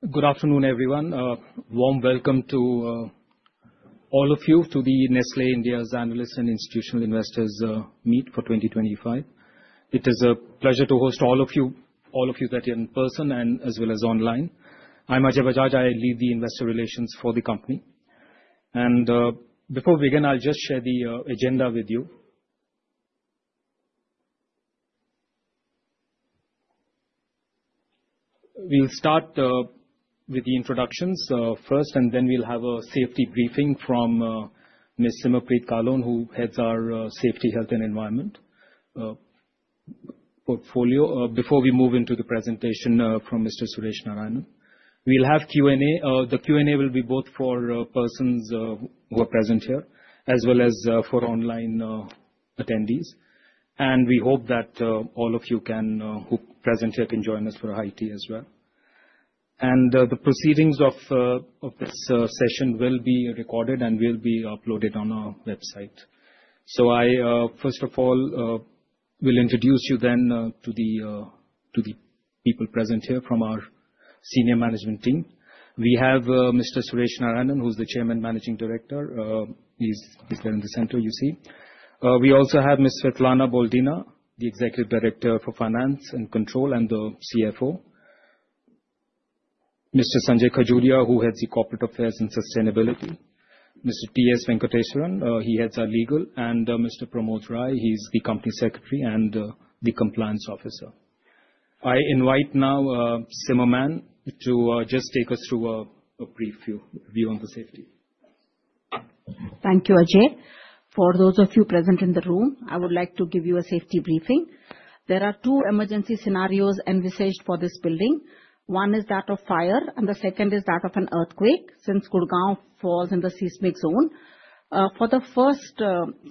Good afternoon, everyone. Warm welcome to all of you to the Nestlé India's Analysts and Institutional Investors Meet for 2025. It is a pleasure to host all of you that are in person and as well as online. I'm Ajay Bajaj, I lead the investor relations for the company. Before we begin, I'll just share the agenda with you. We'll start with the introductions first, and then we'll have a safety briefing from Ms. Simar Preet Kahlon, who heads our Safety, Health and Environment portfolio, before we move into the presentation from Mr. Suresh Narayanan. We'll have Q&A. The Q&A will be both for persons who are present here, as well as for online attendees. We hope that all of you can, who present here, can join us for a high tea as well. The proceedings of this session will be recorded and will be uploaded on our website. I first of all will introduce you then to the people present here from our senior management team. We have Mr. Suresh Narayanan, who's the Chairman Managing Director. He's there in the center, you see. We also have Ms. Svetlana Boldina, the Executive Director for Finance and Control, and the CFO. Mr. Sanjay Khajuria, who heads the Corporate Affairs and Sustainability. Mr. T.S. Venkateswaran, he heads our Legal, and Mr. Pramod Rai, he's the Company Secretary and the Compliance Officer. I invite now Simar Madam, to just take us through a brief view on the safety. Thank you, Ajay. For those of you present in the room, I would like to give you a safety briefing. There are two emergency scenarios envisaged for this building. One is that of fire, and the second is that of an earthquake, since Gurgaon falls in the seismic zone. For the first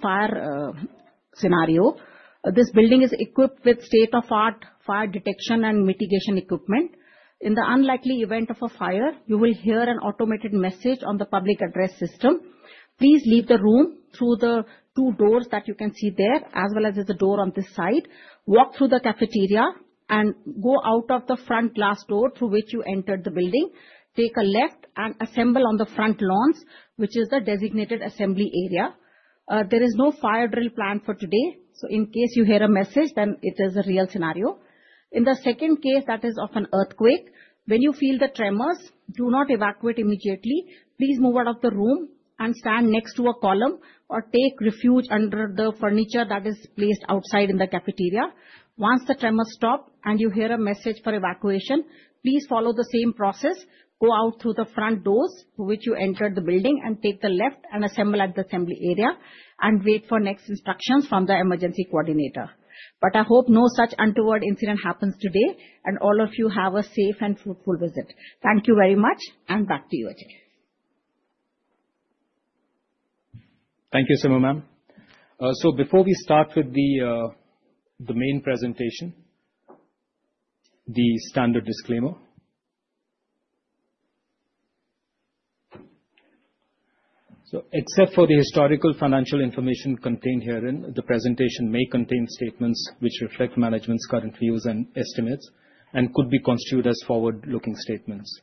fire scenario, this building is equipped with state-of-the-art fire detection and mitigation equipment. In the unlikely event of a fire, you will hear an automated message on the public address system. Please leave the room through the two doors that you can see there, as well as there's a door on this side. Walk through the cafeteria and go out of the front glass door through which you entered the building. Take a left and assemble on the front lawns, which is the designated assembly area. There is no fire drill planned for today, so in case you hear a message, then it is a real scenario. In the second case, that is of an earthquake, when you feel the tremors, do not evacuate immediately. Please move out of the room and stand next to a column, or take refuge under the furniture that is placed outside in the cafeteria. Once the tremors stop and you hear a message for evacuation, please follow the same process. Go out through the front doors through which you entered the building, and take the left, and assemble at the assembly area, and wait for next instructions from the emergency coordinator. I hope no such untoward incident happens today, and all of you have a safe and fruitful visit. Thank you very much, and back to you, Ajay. Thank you, Simar Madam. Before we start with the main presentation, the standard disclaimer. Except for the historical financial information contained herein, the presentation may contain statements which reflect management's current views and estimates and could be constituted as forward-looking statements.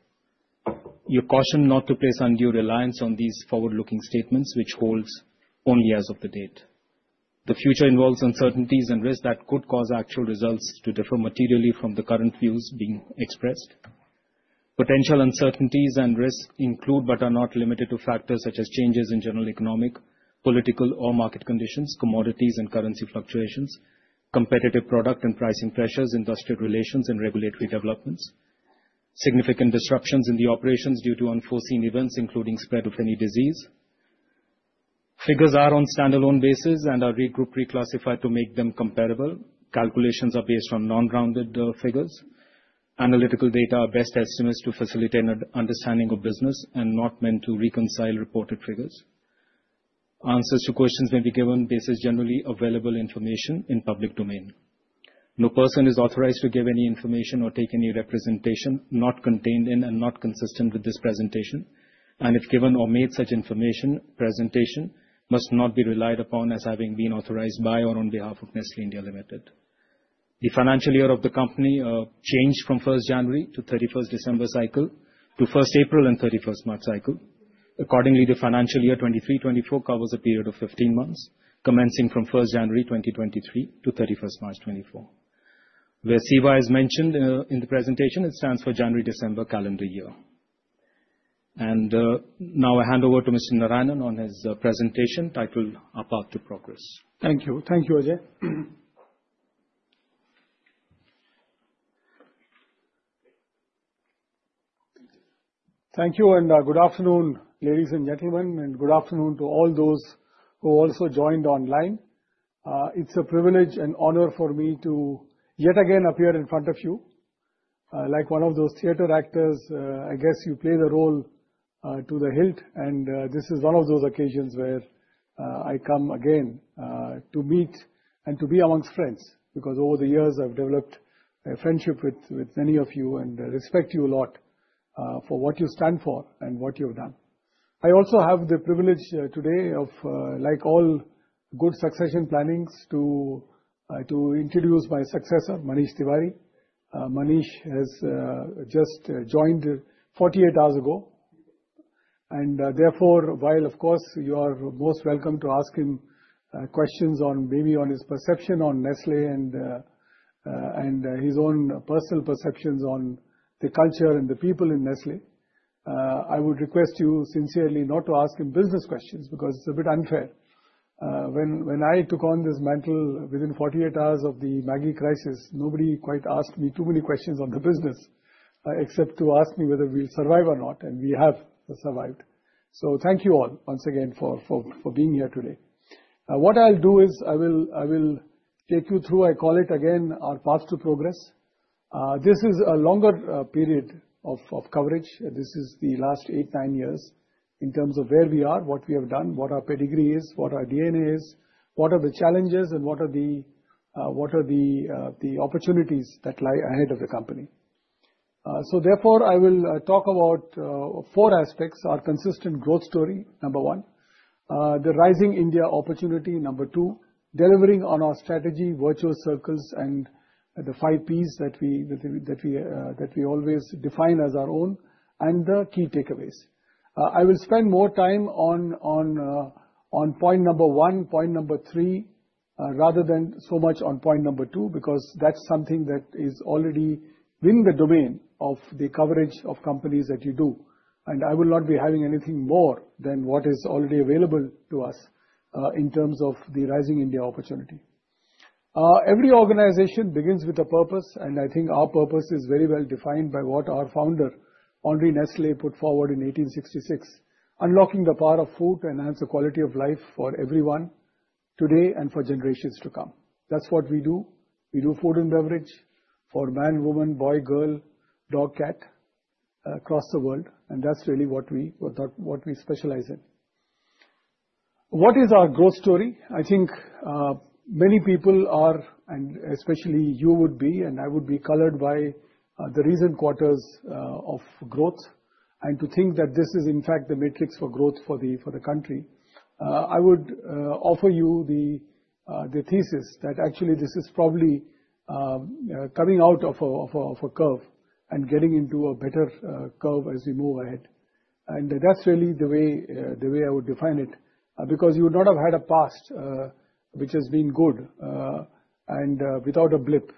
You're cautioned not to place undue reliance on these forward-looking statements, which holds only as of the date. The future involves uncertainties and risks that could cause actual results to differ materially from the current views being expressed. Potential uncertainties and risks include, but are not limited to, factors such as changes in general economic, political, or market conditions, commodities and currency fluctuations, competitive product and pricing pressures, industrial relations and regulatory developments, significant disruptions in the operations due to unforeseen events, including spread of any disease. Figures are on standalone basis and are regrouped reclassified to make them comparable. Calculations are based on non-rounded figures. Analytical data are best estimates to facilitate an understanding of business and not meant to reconcile reported figures. Answers to questions may be given based on generally available information in public domain. No person is authorized to give any information or take any representation not contained in and not consistent with this presentation. If given or made, such information, presentation must not be relied upon as having been authorized by or on behalf of Nestlé India Limited. The financial year of the company changed from 1st January to 31st December cycle to 1st April and 31st March cycle. Accordingly, the financial year 2023, 2024 covers a period of 15 months, commencing from 1st January, 2023 to 31st March, 2024. Where CY is mentioned in the presentation, it stands for January-December calendar year. Now I hand over to Mr. Narayanan on his presentation titled: A Path to Progress. Thank you. Thank you, Ajay. Thank you. Good afternoon, ladies and gentlemen, and good afternoon to all those who also joined online. It's a privilege and honor for me to yet again appear in front of you. Like one of those theater actors, I guess you play the role to the hilt, this is one of those occasions where I come again to meet and to be amongst friends, because over the years, I've developed a friendship with many of you and respect you a lot for what you stand for and what you've done. I also have the privilege today of, like all good succession plannings, to introduce my successor, Manish Tiwari. Manish has just joined 48 hours ago. While of course you are most welcome to ask him questions on, maybe on his perception on Nestlé and his own personal perceptions on the culture and the people in Nestlé, I would request you sincerely not to ask him business questions, because it's a bit unfair. When I took on this mantle, within 48 hours of the Maggi crisis, nobody quite asked me too many questions on the business, except to ask me whether we'll survive or not, we have survived. Thank you all once again for being here today. What I'll do is I will take you through, I call it again, our path to progress. This is a longer period of coverage. This is the last eight, nine years in terms of where we are, what we have done, what our pedigree is, what our DNA is, what are the challenges and what are the opportunities that lie ahead of the company. Therefore, I will talk about four aspects: our consistent growth story, number one, the rising India opportunity, number two, delivering on our strategy, virtual circles, and the five Ps that we, that we always define as our own, and the key takeaways. I will spend more time on point number one, point number three, rather than so much on point number two, because that's something that is already within the domain of the coverage of companies that you do. I will not be adding anything more than what is already available to us in terms of the rising India opportunity. Every organization begins with a purpose. I think our purpose is very well defined by what our founder, Henri Nestlé, put forward in 1866: unlocking the power of food to enhance the quality of life for everyone, today and for generations to come. That's what we do. We do food and beverage for man, woman, boy, girl, dog, cat across the world. That's really what we specialize in. What is our growth story? I think many people are, and especially you would be, and I would be, colored by the recent quarters of growth, and to think that this is in fact the matrix for growth for the country. I would offer you the thesis that actually this is probably coming out of a of a of a curve and getting into a better curve as we move ahead. That's really the way the way I would define it because you would not have had a past which has been good and without a blip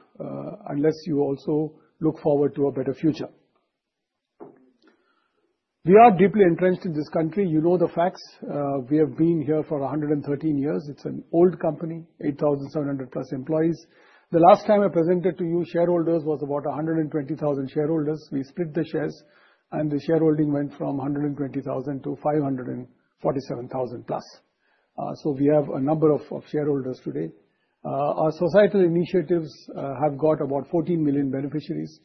unless you also look forward to a better future. We are deeply entrenched in this country. You know the facts. We have been here for 113 years. It's an old company, 8,700+ employees. The last time I presented to you, shareholders was about 120,000 shareholders. We split the shares, and the shareholding went from 120,000 to 547,000+. We have a number of shareholders today. Our societal initiatives have got about 14 million beneficiaries.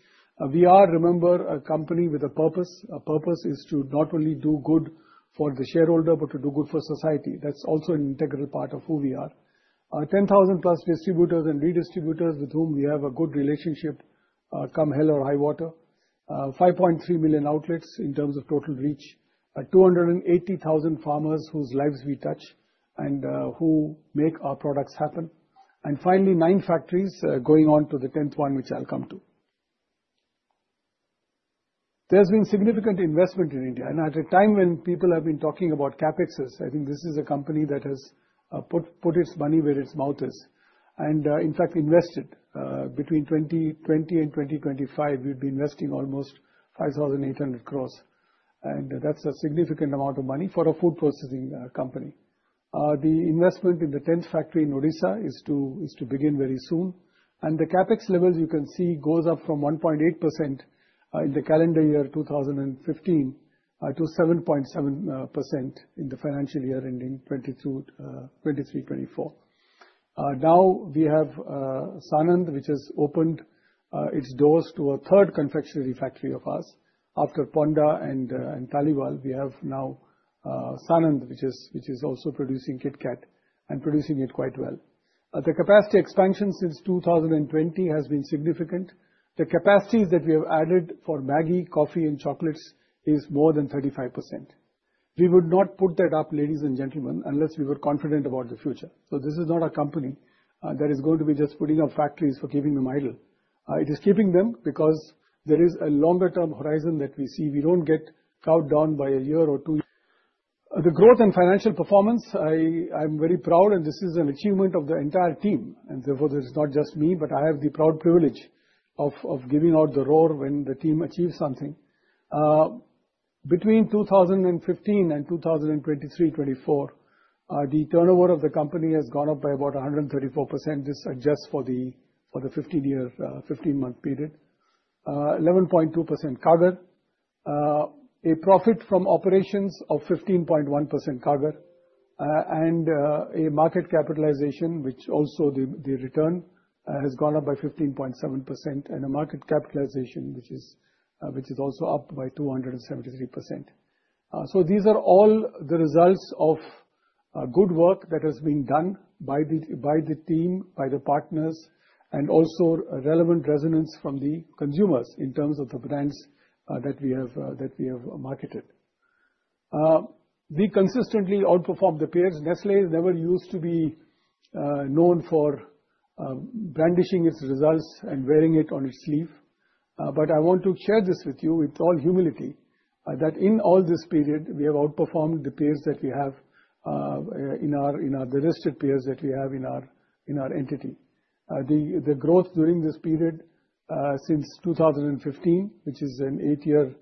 We are, remember, a company with a purpose. Our purpose is to not only do good for the shareholder, but to do good for society. That's also an integral part of who we are. Our 10,000+ distributors and redistributors, with whom we have a good relationship, come hell or high water. 5.3 million outlets in terms of total reach. 280,000 farmers whose lives we touch and who make our products happen and finally, nine factories, going on to the 10th one, which I'll come to. There's been significant investment in India, and at a time when people have been talking about CapEx, I think this is a company that has put its money where its mouth is, in fact, invested. Between 2020 and 2025, we'll be investing almost 5,800 crore, and that's a significant amount of money for a food processing company. The investment in the 10th factory in Odisha is to begin very soon. The CapEx levels you can see goes up from 1.8% in the calendar year 2015 to 7.7% in the financial year ending 2022, 2023, 2024. Now, we have Sanand, which has opened its doors to a third confectionery factory of us. After Ponda and Tahliwal, we have now Sanand, which is also producing KitKat and producing it quite well. The capacity expansion since 2020 has been significant. The capacities that we have added for Maggi, coffee, and chocolates is more than 35%. We would not put that up, ladies and gentlemen, unless we were confident about the future. This is not a company that is going to be just putting up factories for keeping them idle. It is keeping them because there is a longer-term horizon that we see. We don't get cowed down by a year or two. The growth and financial performance, I'm very proud, and this is an achievement of the entire team, and therefore this is not just me, but I have the proud privilege of giving out the roar when the team achieves something. Between 2015 and 2023-2024, the turnover of the company has gone up by about 134%, this is just for the 15-year, 15-month period. 11.2% CAGR. A profit from operations of 15.1% CAGR, a market capitalization, which also the return has gone up by 15.7%, and a market capitalization, which is also up by 273%. These are all the results of a good work that has been done by the team, by the partners, and also a relevant resonance from the consumers in terms of the brands that we have marketed. We consistently outperformed the peers. Nestlé never used to be known for brandishing its results and wearing it on its sleeve. I want to share this with you with all humility, that in all this period, we have outperformed the peers that we have, the listed peers that we have in our entity. The growth during this period, since 2015, which is an eight-year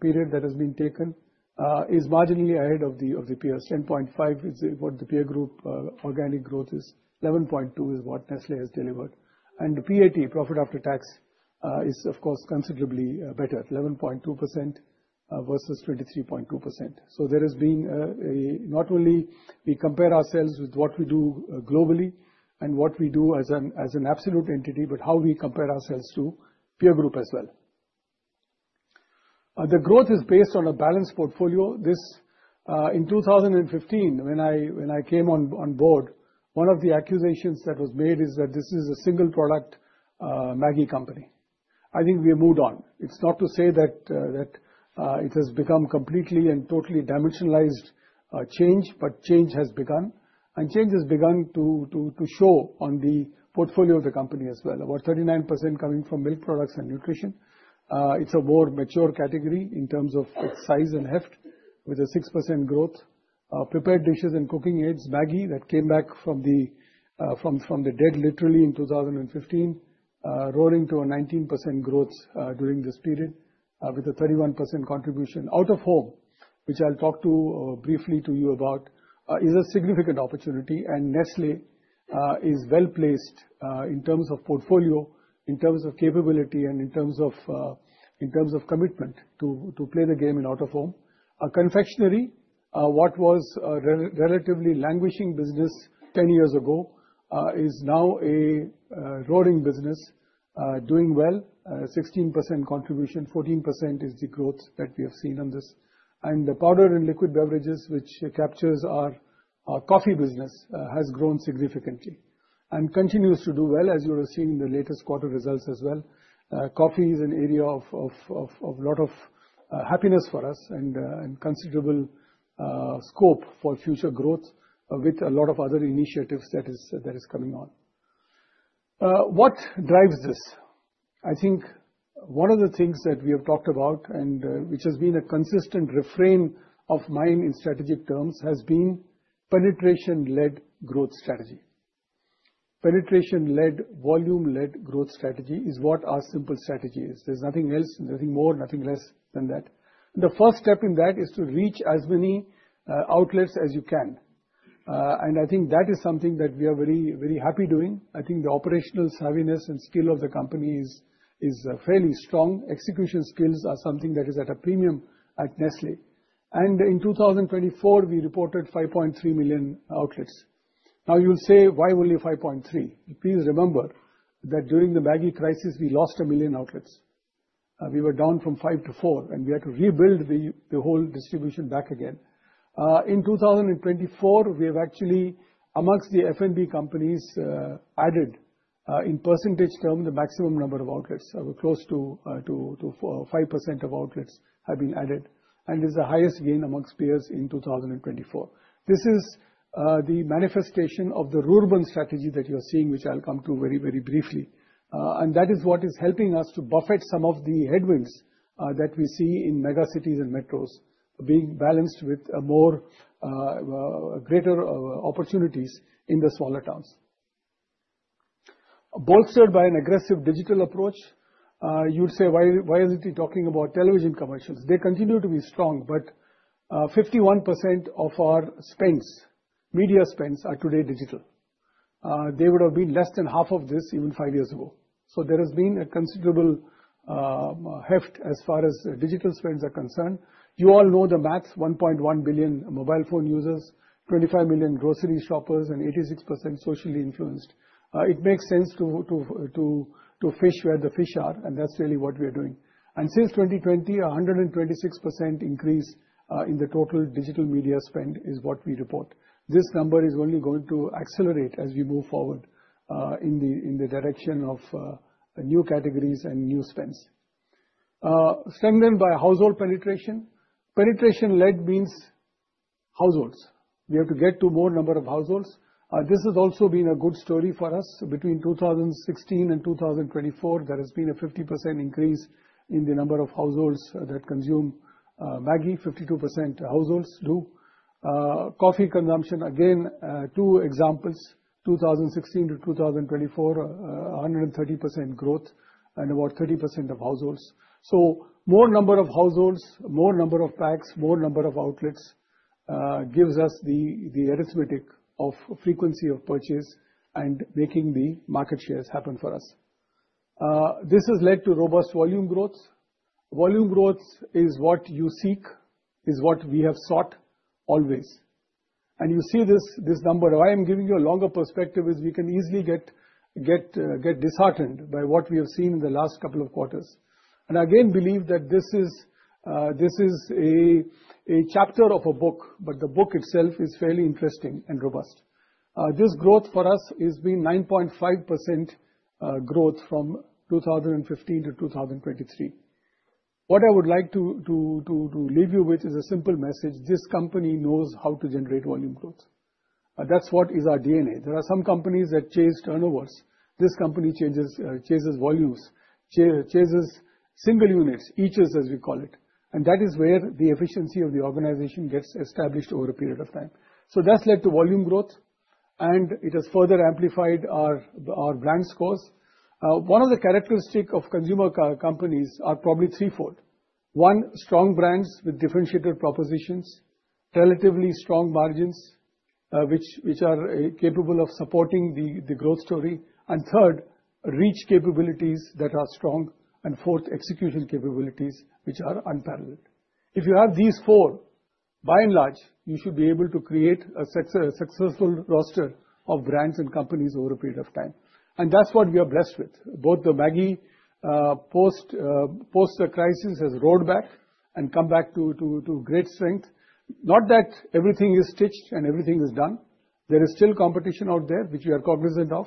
period that has been taken, is marginally ahead of the peers. 10.5 is what the peer group organic growth is, 11.2 is what Nestlé has delivered. The PAT, profit after tax, is of course considerably better at 11.2% versus 23.2%. There has been a... Not only we compare ourselves with what we do, globally and what we do as an absolute entity, but how we compare ourselves to peer group as well. The growth is based on a balanced portfolio. This in 2015, when I came on board, one of the accusations that was made is that this is a single product, Maggi company. I think we have moved on. It's not to say that it has become completely and totally dimensionalized change, but change has begun, and change has begun to show on the portfolio of the company as well. About 39% coming from milk products and nutrition. It's a more mature category in terms of its size and heft, with a 6% growth. Prepared dishes and cooking aids, Maggi, that came back from the dead, literally, in 2015, rolling to a 19% growth during this period, with a 31% contribution. Out of home, which I'll talk to briefly to you about is a significant opportunity. Nestlé is well-placed in terms of portfolio, in terms of capability, and in terms of commitment to play the game in out of home. Confectionery, what was a relatively languishing business 10 years ago, is now a roaring business doing well. 16% contribution, 14% is the growth that we have seen on this. The powder and liquid beverages, which captures our coffee business, has grown significantly and continues to do well, as you would have seen in the latest quarter results as well. Coffee is an area of lot of happiness for us and considerable scope for future growth with a lot of other initiatives that is coming on. What drives this? I think one of the things that we have talked about, and which has been a consistent refrain of mine in strategic terms, has been penetration-led growth strategy. Penetration-led, volume-led growth strategy is what our simple strategy is. There's nothing else, nothing more, nothing less than that. The first step in that is to reach as many outlets as you can, and I think that is something that we are very, very happy doing. I think the operational savviness and skill of the company is fairly strong. Execution skills are something that is at a premium at Nestlé. In 2024, we reported 5.3 million outlets. Now, you'll say, "Why only 5.3?" Please remember that during the Maggi crisis, we lost 1 million outlets. We were down from five to four, and we had to rebuild the whole distribution back again. In 2024, we have actually, amongst the F&B companies, added in percentage term, the maximum number of outlets. We're close to 5% of outlets have been added, is the highest gain amongst peers in 2024. This is the manifestation of the rural-urban strategy that you're seeing, which I'll come to very, very briefly. That is what is helping us to buffet some of the headwinds that we see in mega cities and metros, being balanced with a more greater opportunities in the smaller towns. Bolstered by an aggressive digital approach. You'd say, "Why, why is he talking about television commercials?" They continue to be strong, 51% of our spends, media spends, are today digital. They would have been less than half of this even five years ago. There has been a considerable heft as far as digital spends are concerned. You all know the maths, 1.1 billion mobile phone users, 25 million grocery shoppers, and 86% socially influenced. It makes sense to fish where the fish are, and that's really what we are doing. Since 2020, a 126% increase in the total digital media spend is what we report. This number is only going to accelerate as we move forward in the direction of new categories and new spends. Strengthened by household penetration. Penetration-led means households. We have to get to more number of households. This has also been a good story for us. Between 2016 and 2024, there has been a 50% increase in the number of households that consume Maggi, 52% households do. Coffee consumption, again, two examples, 2016 to 2024, a 130% growth and about 30% of households. More number of households, more number of packs, more number of outlets, gives us the arithmetic of frequency of purchase and making the market shares happen for us. This has led to robust volume growths. Volume growths is what you seek, is what we have sought always. You see this number. Why I'm giving you a longer perspective is you can easily get disheartened by what we have seen in the last couple of quarters. Again, believe that this is a chapter of a book, but the book itself is fairly interesting and robust. This growth for us has been 9.5% growth from 2015 to 2023. What I would like to leave you with is a simple message: This company knows how to generate volume growth. That's what is our DNA. There are some companies that chase turnovers. This company chases volumes, chases single units, eaches, as we call it, and that is where the efficiency of the organization gets established over a period of time. That's led to volume growth, and it has further amplified our brand scores. One of the characteristic of consumer companies are probably threefold. One, strong brands with differentiated propositions, relatively strong margins, which are capable of supporting the growth story, and third, reach capabilities that are strong, and fourth, execution capabilities which are unparalleled. If you have these four, by and large, you should be able to create a successful roster of brands and companies over a period of time. That's what we are blessed with. Both the Maggi, post the crisis, has roared back and come back to great strength. Not that everything is stitched and everything is done. There is still competition out there, which we are cognizant of.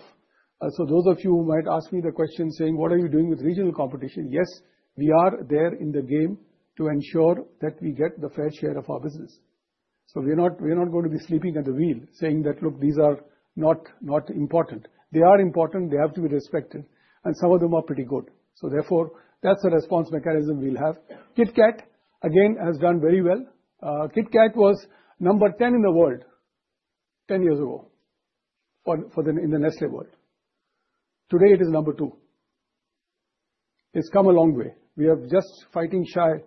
So those of you who might ask me the question, saying: "What are you doing with regional competition?" Yes, we are there in the game to ensure that we get the fair share of our business. We're not going to be sleeping at the wheel, saying that, "Look, these are not important." They are important, they have to be respected, and some of them are pretty good. Therefore, that's the response mechanism we'll have. KitKat, again, has done very well. KitKat was number 10 in the world 10 years ago for the... in the Nestlé world. Today, it is number two. It's come a long way. We are just fighting shy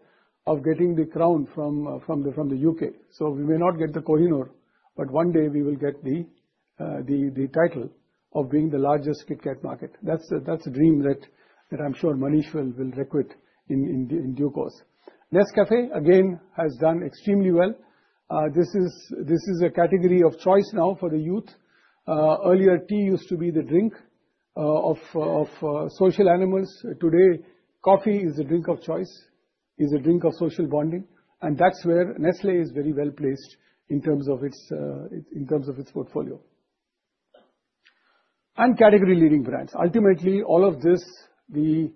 of getting the crown from the U.K. We may not get the Kohinoor, but one day we will get the title of being the largest KitKat market. That's a dream that I'm sure Manish will requite in due course. Nescafé, again, has done extremely well. This is a category of choice now for the youth. Earlier, tea used to be the drink of social animals. Today, coffee is a drink of choice, is a drink of social bonding. That's where Nestlé is very well placed in terms of its portfolio. Category-leading brands. Ultimately, all of this, the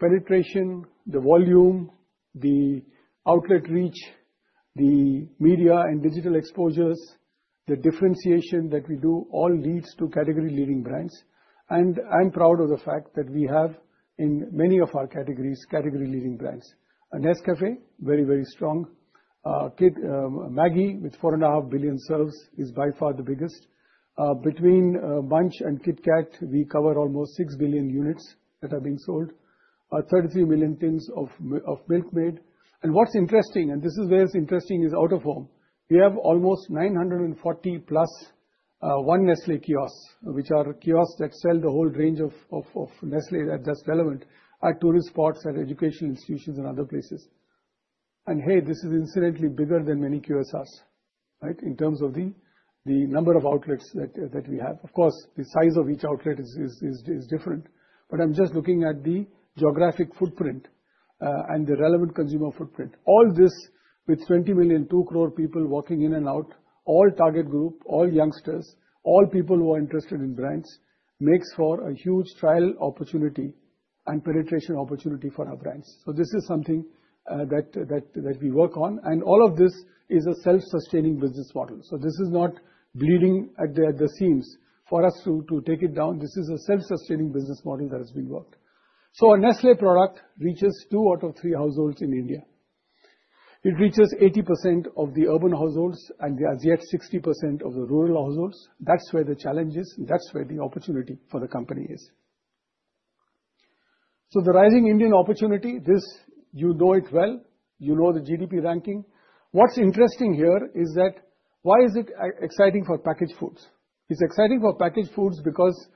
penetration, the volume, the outlet reach, the media and digital exposures, the differentiation that we do, all leads to category-leading brands. I'm proud of the fact that we have, in many of our categories, category-leading brands. Nescafé, very strong. Maggi, with 4.5 billion serves, is by far the biggest. Between Munch and KitKat, we cover almost six billion units that are being sold. 33 million tins of Milkmaid. What's interesting, and this is where it's interesting, is out of home. We have almost 940+ one Nestlé kiosk, which are kiosks that sell the whole range of Nestlé that's relevant, at tourist spots, at educational institutions, and other places. Hey, this is incidentally bigger than many QSRs, right? In terms of the number of outlets that we have. Of course, the size of each outlet is different, but I'm just looking at the geographic footprint and the relevant consumer footprint. All this, with 20 million, 2 crore people walking in and out, all target group, all youngsters, all people who are interested in brands, makes for a huge trial opportunity and penetration opportunity for our brands. This is something that we work on, and all of this is a self-sustaining business model. This is not bleeding at the seams for us to take it down. This is a self-sustaining business model that has been worked. A Nestlé product reaches two out of three households in India. It reaches 80% of the urban households, and as yet, 60% of the rural households. That's where the challenge is, and that's where the opportunity for the company is. The rising Indian opportunity, this, you know it well, you know the GDP ranking. What's interesting here is that, why is it exciting for packaged foods? It's exciting for packaged foods because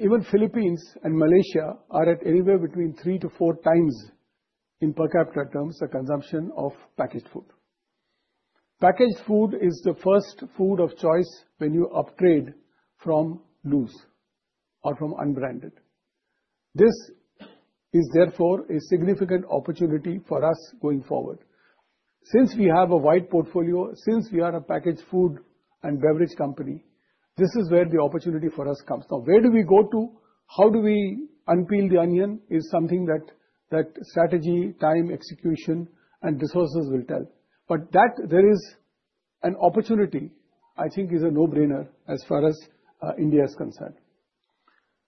even Philippines and Malaysia are at anywhere between three to four times, in per capita terms, the consumption of packaged food. Packaged food is the first food of choice when you upgrade from loose or from unbranded. This is therefore a significant opportunity for us going forward. Since we have a wide portfolio, since we are a packaged food and beverage company, this is where the opportunity for us comes. Where do we go to, how do we unpeel the onion, is something that strategy, time, execution, and resources will tell. That there is an opportunity, I think is a no-brainer as far as India is concerned.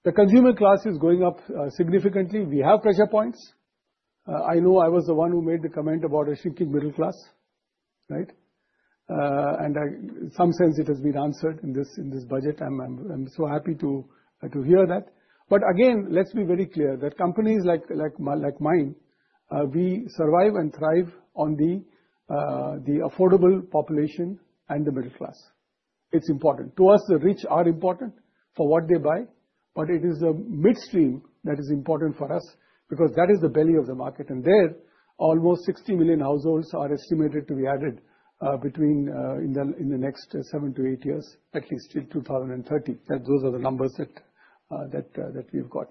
The consumer class is going up significantly. We have pressure points. I know I was the one who made the comment about a shrinking middle class, right? In some sense, it has been answered in this, in this budget, I'm so happy to hear that. Again, let's be very clear that companies like mine, we survive and thrive on the affordable population and the middle class. It's important to us. The rich are important for what they buy, but it is the midstream that is important for us, because that is the belly of the market, and there, almost 60 million households are estimated to be added in the next seven-eight years, at least till 2030. Those are the numbers that we've got.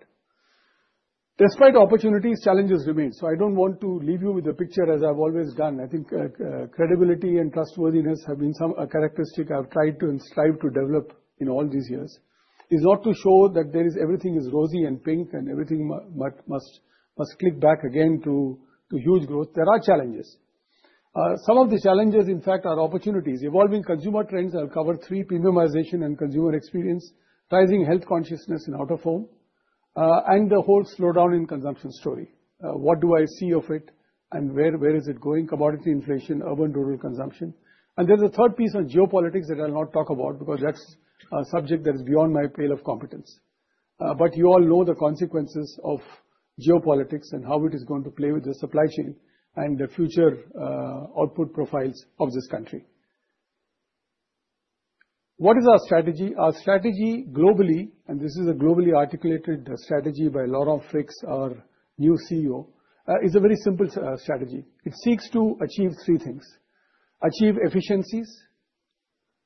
Despite opportunities, challenges remain. I don't want to leave you with a picture as I've always done. I think credibility and trustworthiness have been some characteristic I've tried to and strived to develop in all these years. It's not to show that there is everything is rosy and pink, and everything must click back again to huge growth. There are challenges. Some of the challenges, in fact, are opportunities. Evolving consumer trends, I'll cover three: premiumization and consumer experience, rising health consciousness and out-of-home, and the whole slowdown in consumption story. What do I see of it, and where is it going? Commodity inflation, urban-rural consumption. There's a third piece on geopolitics that I'll not talk about, because that's a subject that is beyond my pale of competence. You all know the consequences of geopolitics and how it is going to play with the supply chain and the future output profiles of this country. What is our strategy? Our strategy globally, this is a globally articulated strategy by Laurent Freixe, our new CEO, is a very simple strategy. It seeks to achieve three things: achieve efficiencies,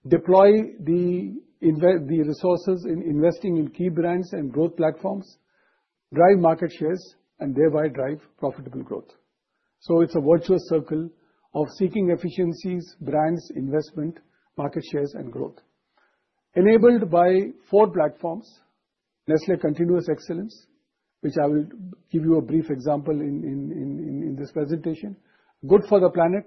deploy the resources in investing in key brands and growth platforms, drive market shares, and thereby drive profitable growth. It's a virtuous circle of seeking efficiencies, brands, investment, market shares, and growth. Enabled by four platforms: Nestlé Continuous Excellence, which I will give you a brief example in this presentation. Good for the planet.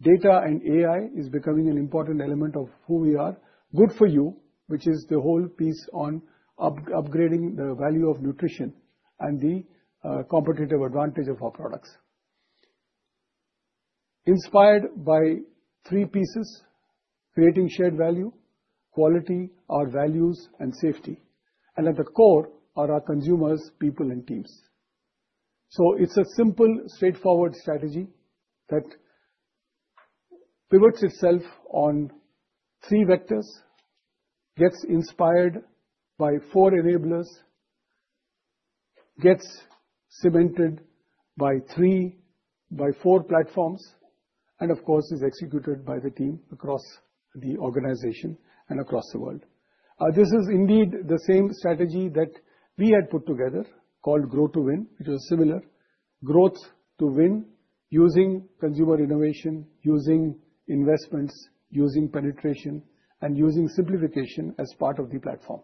Data and AI is becoming an important element of who we are. Good for you, which is the whole piece on upgrading the value of nutrition and the competitive advantage of our products. Inspired by three pieces: creating shared value, quality, our values, and safety. At the core are our consumers, people and teams. It's a simple, straightforward strategy that pivots itself on three vectors, gets inspired by four enablers, gets cemented by four platforms, and of course, is executed by the team across the organization and across the world. This is indeed the same strategy that we had put together called Grow to Win. It was similar. Grow to Win, using consumer innovation, using investments, using penetration, and using simplification as part of the platform.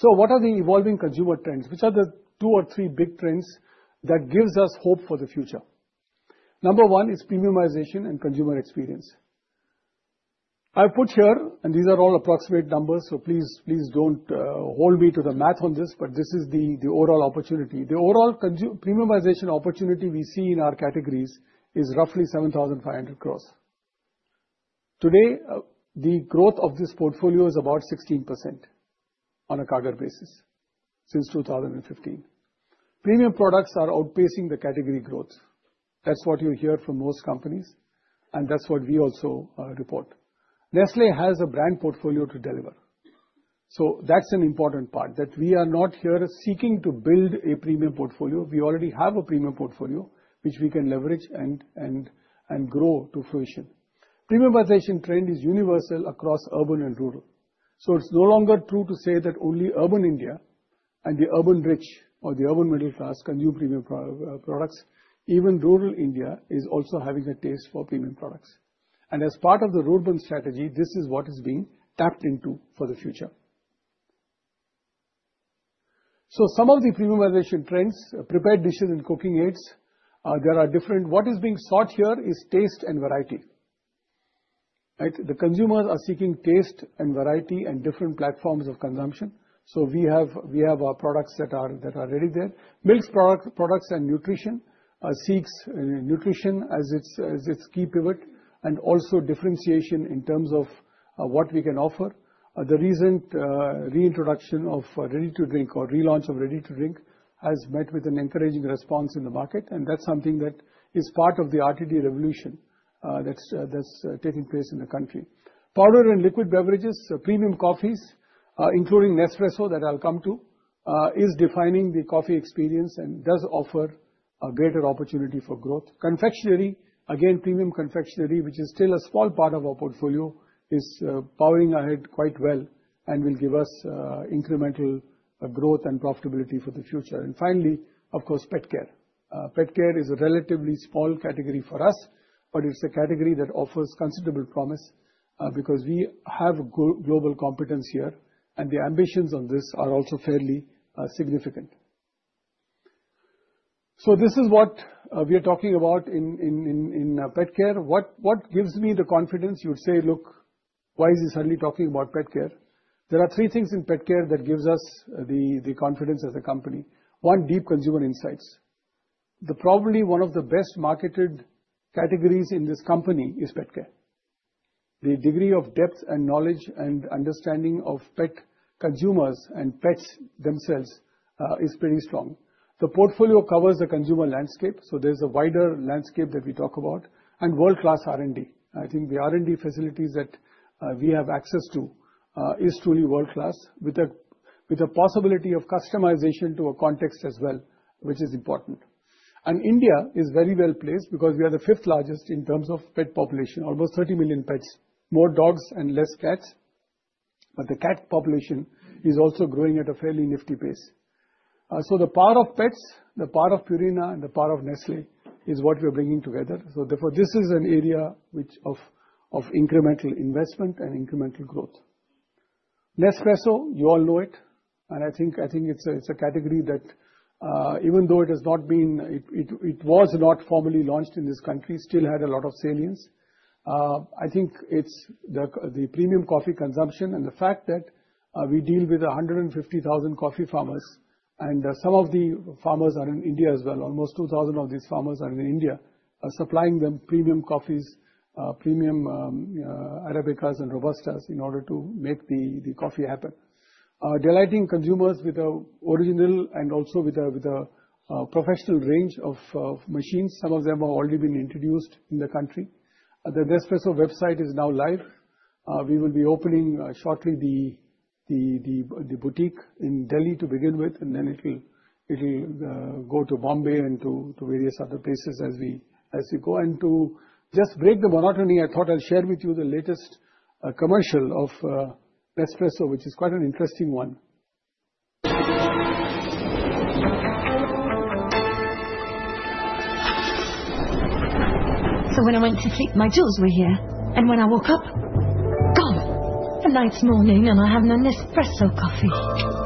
What are the evolving consumer trends? Which are the two or three big trends that gives us hope for the future? Number one is premiumization and consumer experience. I've put here, and these are all approximate numbers, so please don't hold me to the math on this, but this is the overall opportunity. The overall premiumization opportunity we see in our categories is roughly 7,500 crores. Today, the growth of this portfolio is about 16% on a CAGR basis since 2015. Premium products are outpacing the category growth. That's what you hear from most companies, and that's what we also report. Nestlé has a brand portfolio to deliver, so that's an important part, that we are not here seeking to build a premium portfolio. We already have a premium portfolio, which we can leverage and grow to fruition. Premiumization trend is universal across urban and rural, so it's no longer true to say that only urban India and the urban rich or the urban middle class can use premium products. Even rural India is also having a taste for premium products. As part of the rural strategy, this is what is being tapped into for the future. Some of the premiumization trends, prepared dishes and cooking aids, what is being sought here is taste and variety, right? The consumers are seeking taste and variety and different platforms of consumption, so we have our products that are already there. Milk product, products and nutrition seeks nutrition as its key pivot, and also differentiation in terms of what we can offer. The recent reintroduction of ready-to-drink or relaunch of ready-to-drink has met with an encouraging response in the market, and that's something that is part of the RTD revolution that's taking place in the country. Powder and liquid beverages, premium coffees, including Nespresso, that I'll come to, is defining the coffee experience and does offer a greater opportunity for growth. Confectionery, again, premium confectionery, which is still a small part of our portfolio, is powering ahead quite well and will give us incremental growth and profitability for the future. Finally, of course, pet care. Pet care is a relatively small category for us, but it's a category that offers considerable promise because we have global competence here, and the ambitions on this are also fairly significant. This is what we are talking about in pet care. What gives me the confidence? You would say, "Look, why is he suddenly talking about pet care?" There are three things in pet care that gives us the confidence as a company. One, deep consumer insights. The probably one of the best marketed categories in this company is pet care. The degree of depth and knowledge and understanding of pet consumers and pets themselves is pretty strong. The portfolio covers the consumer landscape, so there's a wider landscape that we talk about, and world-class R&D. I think the R&D facilities that we have access to is truly world-class, with a possibility of customization to a context as well, which is important. India is very well placed because we are the fifth largest in terms of pet population, almost 30 million pets, more dogs and less cats. The cat population is also growing at a fairly nifty pace. The power of pets, the power of Purina, and the power of Nestlé is what we're bringing together. Therefore, this is an area which of incremental investment and incremental growth. Nespresso, you all know it. I think it's a category that, even though it has not been formally launched in this country, still had a lot of salience. I think it's the premium coffee consumption and the fact that we deal with 150,000 coffee farmers. Some of the farmers are in India as well. Almost 2,000 of these farmers are in India, are supplying them premium coffees, premium arabicas and robustas in order to make the coffee happen. Delighting consumers with the original and also with a professional range of machines. Some of them have already been introduced in the country. The Nespresso website is now live. We will be opening, shortly, the boutique in Delhi to begin with, and then it'll go to Bombay and to various other places as we go. To just break the monotony, I thought I'd share with you the latest commercial of Nespresso, which is quite an interesting one. When I went to sleep, my jewels were here, and when I woke up, gone. A night's morning, and I haven't done Nespresso coffee. Oh.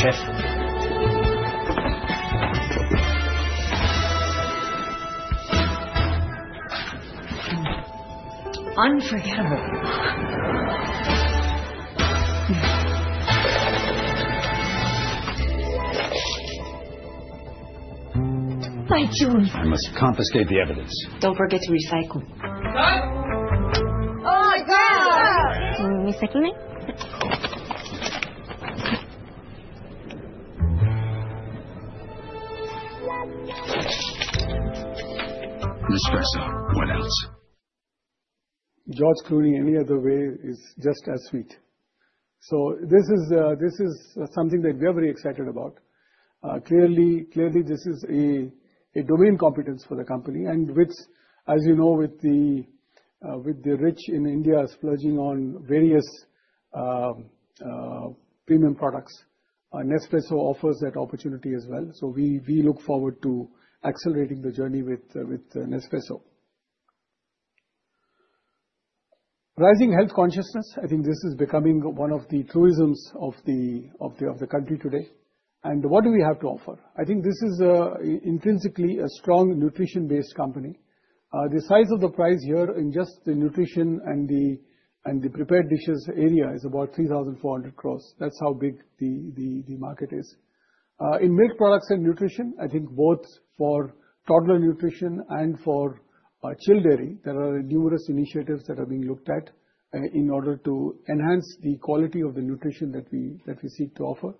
Chef. Unforgettable. My jewels! I must confiscate the evidence. Don't forget to recycle. Cut! Oh, my God. You recycling it? Nespresso. What else? George Clooney, any other way, is just as sweet. This is something that we are very excited about. Clearly this is a domain competence for the company, and which, as you know, with the rich in India splurging on various premium products, Nespresso offers that opportunity as well. We look forward to accelerating the journey with Nespresso. Rising health consciousness, I think this is becoming one of the truisms of the country today. What do we have to offer? I think this is intrinsically a strong nutrition-based company. The size of the prize here in just the nutrition and the prepared dishes area is about 3,400 crores. That's how big the market is. In milk products and nutrition, I think both for toddler nutrition and for chill dairy, there are numerous initiatives that are being looked at in order to enhance the quality of the nutrition that we, that we seek to offer.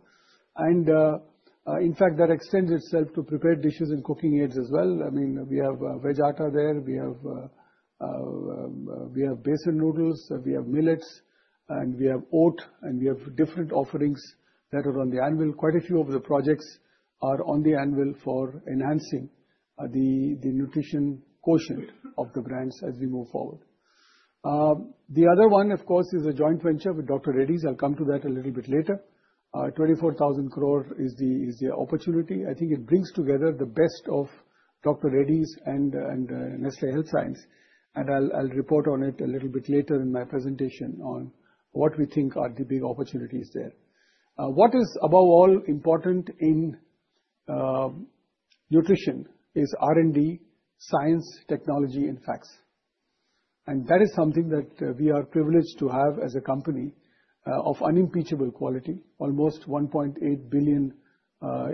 In fact, that extends itself to prepared dishes and cooking aids as well. I mean, we have Veg Atta there, we have Besan noodles, we have millets, and we have oat, and we have different offerings that are on the anvil. Quite a few of the projects are on the anvil for enhancing the nutrition quotient of the brands as we move forward. The other one, of course, is a joint venture with Dr. Reddy's. I'll come to that a little bit later. 24,000 crores is the, is the opportunity. I think it brings together the best of Dr. Reddy's and Nestlé Health Science, and I'll report on it a little bit later in my presentation on what we think are the big opportunities there. What is, above all, important in nutrition is R&D, science, technology, and facts. That is something that we are privileged to have as a company of unimpeachable quality. Almost 1.8 billion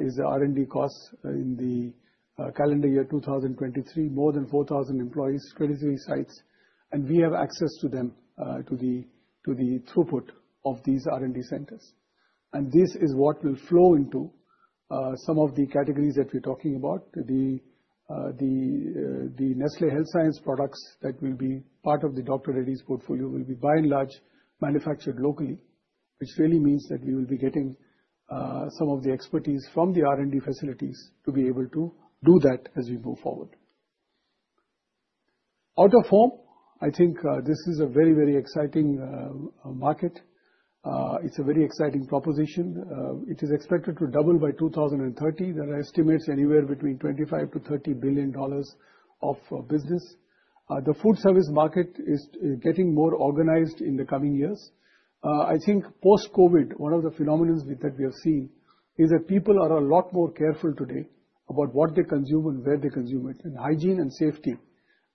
is the R&D costs in the calendar year 2023, more than 4,000 employees, treasury sites, and we have access to them to the throughput of these R&D centers. This is what will flow into some of the categories that we're talking about. The Nestlé Health Sciences products that will be part of the Dr. Reddy's portfolio will be by and large, manufactured locally, which really means that we will be getting some of the expertise from the R&D facilities to be able to do that as we move forward. Out of home, I think, this is a very, very exciting market. It's a very exciting proposition. It is expected to double by 2030. There are estimates anywhere between $25 billion-$30 billion of business. The food service market is getting more organized in the coming years. I think post-COVID, one of the phenomena that we are seeing is that people are a lot more careful today about what they consume and where they consume it, and hygiene and safety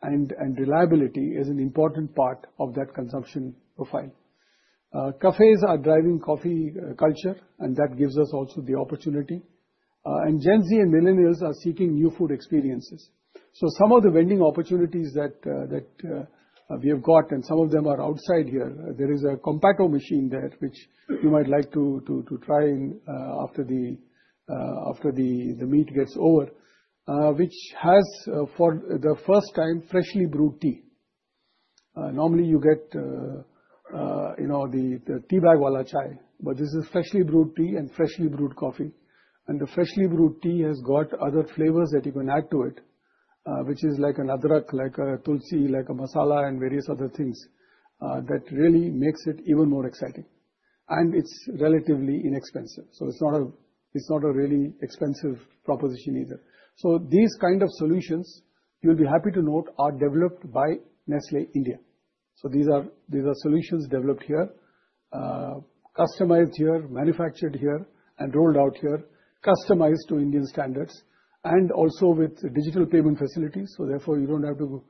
and reliability is an important part of that consumption profile. Cafes are driving coffee culture, and that gives us also the opportunity. Gen Z and millennials are seeking new food experiences. Some of the vending opportunities that we have got, and some of them are outside here, there is a Compatto machine there, which you might like to try after the meet gets over, which has for the first time, freshly brewed tea. Normally you get, you know, the tea bag wala chai, but this is freshly brewed tea and freshly brewed coffee. The freshly brewed tea has got other flavors that you can add to it, which is like an adhrak, like a tulsi, like a masala, and various other things that really makes it even more exciting. It's relatively inexpensive, so it's not a really expensive proposition either. These kind of solutions, you'll be happy to note, are developed by Nestlé India. These are solutions developed here, customized here, manufactured here, and rolled out here, customized to Indian standards, and also with digital payment facilities, so therefore, you don't have to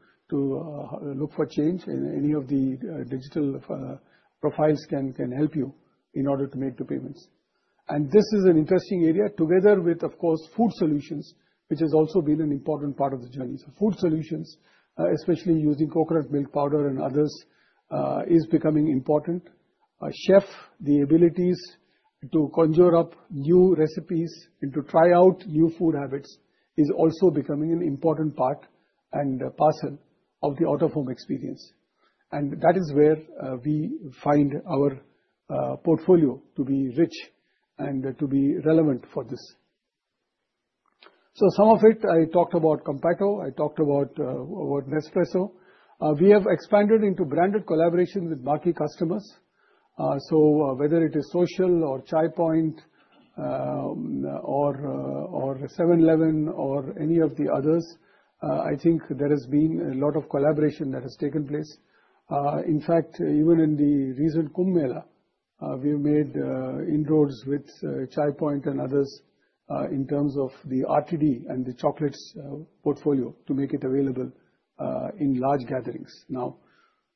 look for change, and any of the digital profiles can help you in order to make the payments. This is an interesting area, together with, of course, food solutions, which has also been an important part of the journey. Food solutions, especially using coconut milk powder and others, is becoming important. Our chef, the abilities to conjure up new recipes and to try out new food habits, is also becoming an important part and parcel of the out-of-home experience. That is where we find our portfolio to be rich and to be relevant for this. Some of it I talked about Compatto, I talked about Nespresso. We have expanded into branded collaboration with marquee customers. Whether it is SOCIAL or Chai Point, or 7-Eleven or any of the others, I think there has been a lot of collaboration that has taken place. In fact, even in the recent Kumbh Mela, we made inroads with Chai Point and others in terms of the RTD and the chocolates portfolio, to make it available in large gatherings.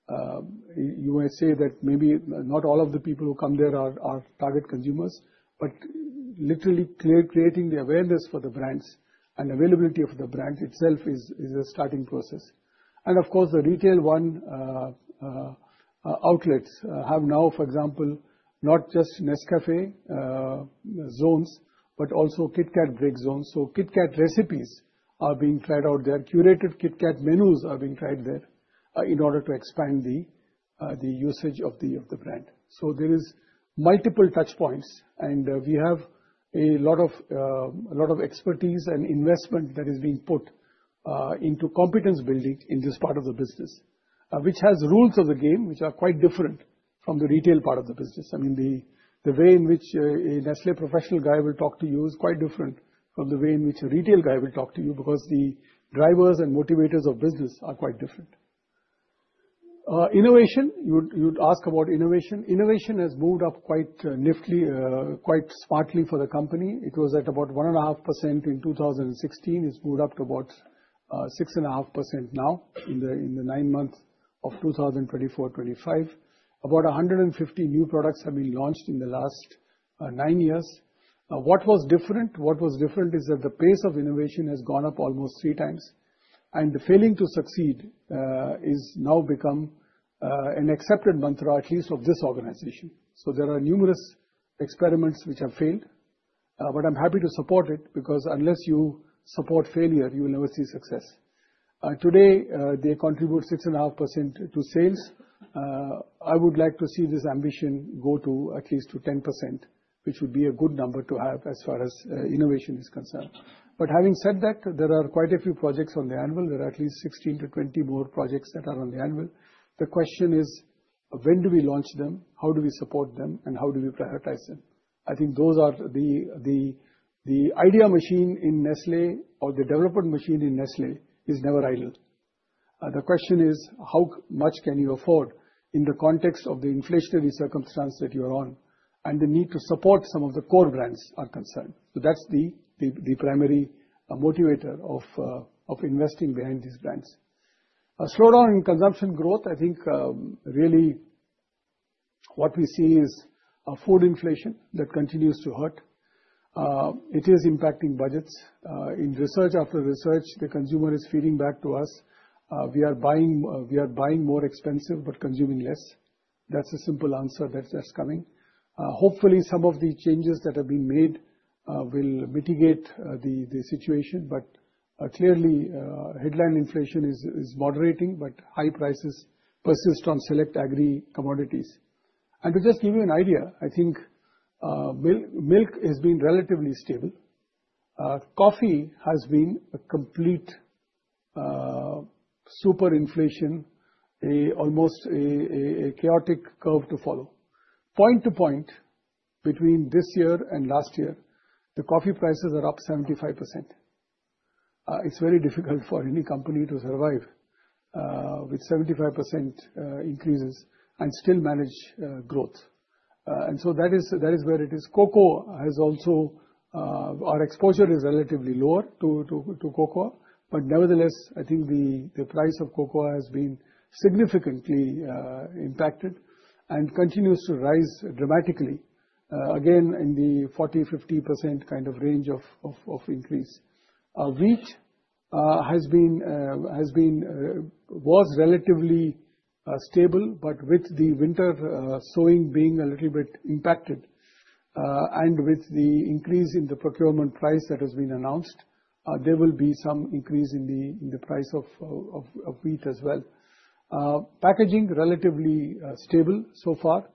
Now, you might say that maybe not all of the people who come there are target consumers, but literally creating the awareness for the brands and availability of the brand itself is a starting process. Of course, the Retail ONE outlets have now, for example, not just Nescafé zones, but also KitKat break zones. KitKat recipes are being tried out there, curated KitKat menus are being tried there, in order to expand the usage of the brand. There is multiple touch points. We have a lot of expertise and investment that is being put into competence building in this part of the business, which has rules of the game which are quite different from the retail part of the business. I mean, the way in which a Nestlé professional guy will talk to you is quite different from the way in which a retail guy will talk to you, because the drivers and motivators of business are quite different. Innovation, you'd ask about innovation. Innovation has moved up quite niftily, quite smartly for the company. It was at about 1.5% in 2016. It's moved up to about 6.5% now in the, in the nine months of 2024-2025. About 150 new products have been launched in the last nine years. What was different? What was different is that the pace of innovation has gone up almost three times, and failing to succeed is now become an accepted mantra, at least of this organization. There are numerous experiments which have failed, but I'm happy to support it, because unless you support failure, you will never see success. Today, they contribute 6.5% to sales. I would like to see this ambition go to at least to 10%, which would be a good number to have as far as innovation is concerned. Having said that, there are quite a few projects on the annual. There are at least 16-20 more projects that are on the annual. The question is, when do we launch them? How do we support them, and how do we prioritize them? I think those are the idea machine in Nestlé or the development machine in Nestlé is never idle. The question is, how much can you afford in the context of the inflationary circumstance that you are on, and the need to support some of the core brands are concerned? That's the primary motivator of investing behind these brands. A slowdown in consumption growth, I think, really what we see is food inflation that continues to hurt. It is impacting budgets. In research after research, the consumer is feeding back to us, "We are buying, we are buying more expensive but consuming less." That's the simple answer that's coming. Hopefully, some of the changes that have been made will mitigate the situation, but clearly, headline inflation is moderating, but high prices persist on select agri commodities. To just give you an idea, I think, milk has been relatively stable. Coffee has been a complete super inflation, almost a chaotic curve to follow. Point to point, between this year and last year, the coffee prices are up 75%. It's very difficult for any company to survive with 75% increases and still manage growth. That is where it is. Cocoa has also, our exposure is relatively lower to cocoa, but nevertheless, I think the price of cocoa has been significantly impacted and continues to rise dramatically again, in the 40%-50% kind of range of increase. Wheat has been relatively stable, but with the winter sowing being a little bit impacted, and with the increase in the procurement price that has been announced, there will be some increase in the price of wheat as well. Packaging, relatively stable so far.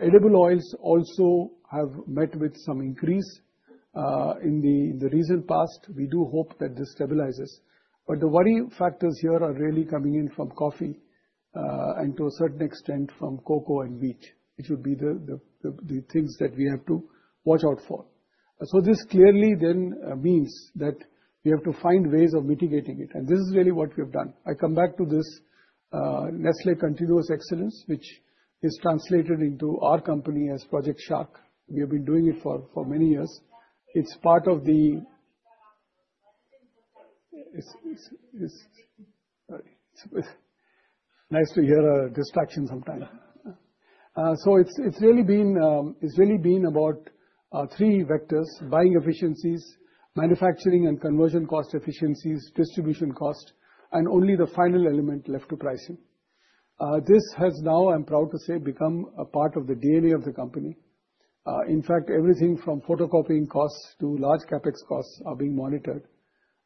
Edible oils also have met with some increase in the recent past. We do hope that this stabilizes. The worrying factors here are really coming in from coffee, and to a certain extent, from cocoa and wheat. It should be the things that we have to watch out for. This clearly then means that we have to find ways of mitigating it, and this is really what we have done. I come back to this Nestlé Continuous Excellence, which is translated into our company as Project Shark. We have been doing it for many years. It's nice to hear a distraction sometime. It's really been about three vectors: buying efficiencies, manufacturing and conversion cost efficiencies, distribution cost, and only the final element left to pricing. This has now, I'm proud to say, become a part of the DNA of the company. In fact, everything from photocopying costs to large CapEx costs are being monitored,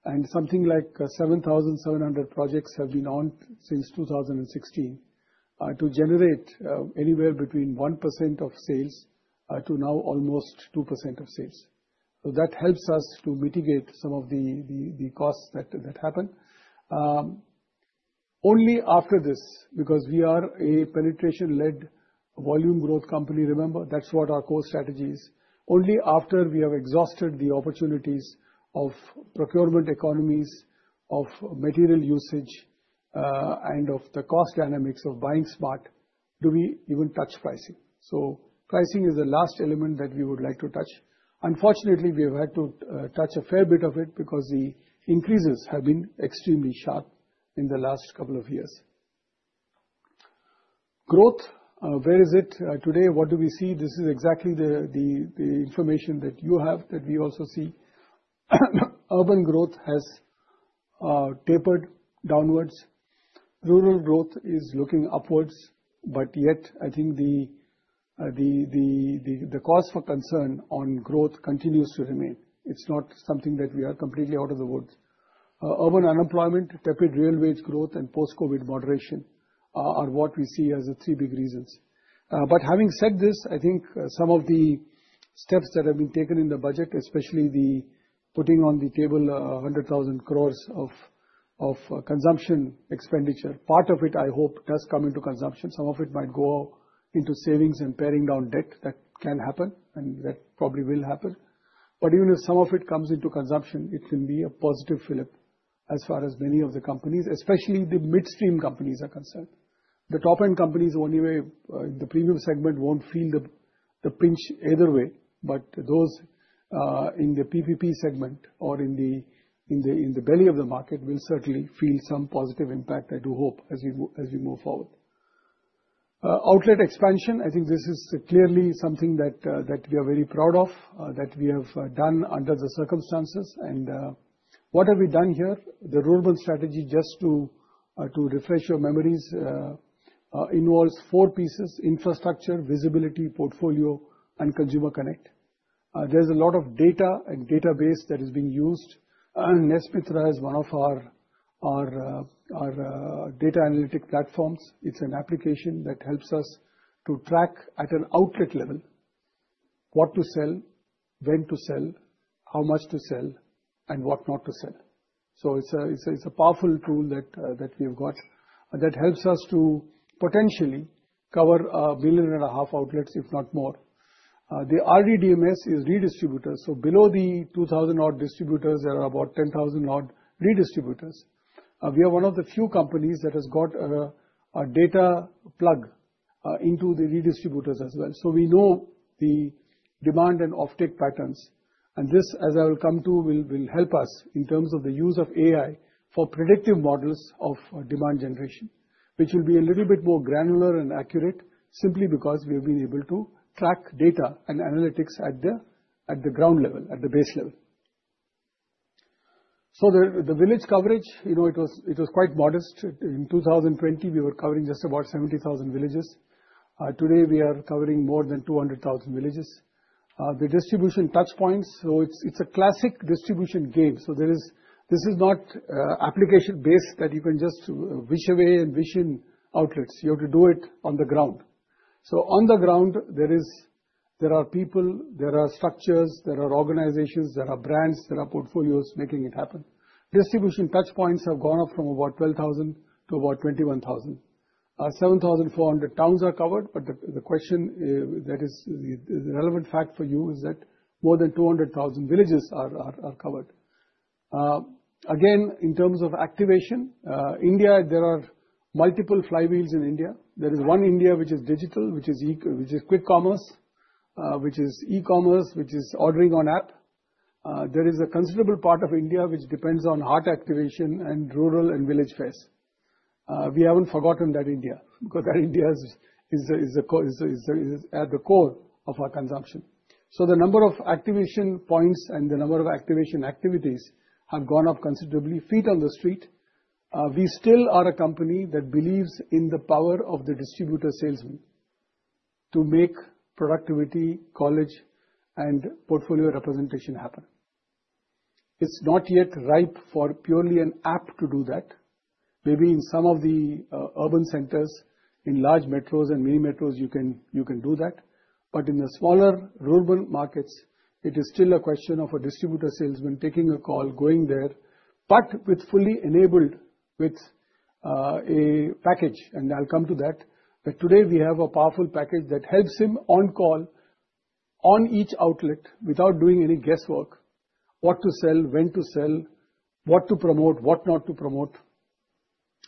and something like 7,700 projects have been on since 2016 to generate anywhere between 1% of sales to now almost 2% of sales. That helps us to mitigate some of the costs that happen. Only after this, because we are a penetration-led volume growth company, remember, that's what our core strategy is. Only after we have exhausted the opportunities of procurement economies, of material usage, and of the cost dynamics of buying smart, do we even touch pricing. Pricing is the last element that we would like to touch. Unfortunately, we have had to touch a fair bit of it, because the increases have been extremely sharp in the last couple of years. Growth, where is it today? What do we see? This is exactly the information that you have, that we also see. Urban growth has tapered downwards. Rural growth is looking upwards, yet, I think the cause for concern on growth continues to remain. It's not something that we are completely out of the woods. Urban unemployment, tepid real wage growth, and post-COVID moderation are what we see as the three big reasons. Having said this, I think some of the steps that have been taken in the budget, especially the putting on the table, 100,000 crore of consumption expenditure, part of it, I hope, does come into consumption. Some of it might go into savings and paring down debt. That can happen, and that probably will happen. Even if some of it comes into consumption, it can be a positive fillip, as far as many of the companies, especially the midstream companies, are concerned. The top-end companies, only way, the premium segment won't feel the pinch either way, but those in the PVP segment or in the, in the, in the belly of the market will certainly feel some positive impact, I do hope, as we move forward. Outlet expansion, I think this is clearly something that we are very proud of, that we have done under the circumstances. What have we done here? The rural strategy, just to refresh your memories, involves four pieces: infrastructure, visibility, portfolio, and consumer connect. There's a lot of data and database that is being used, and NESmitra is one of our, data analytic platforms. It's an application that helps us to track, at an outlet level, what to sell, when to sell, how much to sell, and what not to sell. It's a powerful tool that we've got, that helps us to potentially cover 1.5 billion outlets, if not more. The RDMS is redistributors. Below the 2,000 odd distributors, there are about 10,000 odd redistributors. We are one of the few companies that has got a data plug into the redistributors as well. We know the demand and offtake patterns, and this, as I will come to, will help us in terms of the use of AI for predictive models of demand generation, which will be a little bit more granular and accurate, simply because we've been able to track data and analytics at the ground level, at the base level. The village coverage, you know, it was quite modest. In 2020, we were covering just about 70,000 villages. Today, we are covering more than 200,000 villages. The distribution touchpoints, it's a classic distribution game, this is not application-based, that you can just wish away and wish in outlets. You have to do it on the ground. On the ground, there is... There are people, there are structures, there are organizations, there are brands, there are portfolios making it happen. Distribution touchpoints have gone up from about 12,000 to about 21,000. 7,400 towns are covered. The question that is the relevant fact for you is that more than 200,000 villages are covered. Again, in terms of activation, India, there are multiple flywheels in India. There is one India which is digital, which is quick commerce, which is e-commerce, which is ordering on app. There is a considerable part of India which depends on heart activation and rural and village fairs. We haven't forgotten that India, because that India is at the core of our consumption. The number of activation points and the number of activation activities have gone up considerably. Feet on the street, we still are a company that believes in the power of the distributor salesman... to make productivity, college, and portfolio representation happen. It's not yet ripe for purely an app to do that. Maybe in some of the urban centers, in large metros and mini metros, you can do that, but in the smaller rural markets, it is still a question of a distributor salesman taking a call, going there, but with fully enabled with a package, and I'll come to that. Today, we have a powerful package that helps him on call on each outlet without doing any guesswork, what to sell, when to sell, what to promote, what not to promote,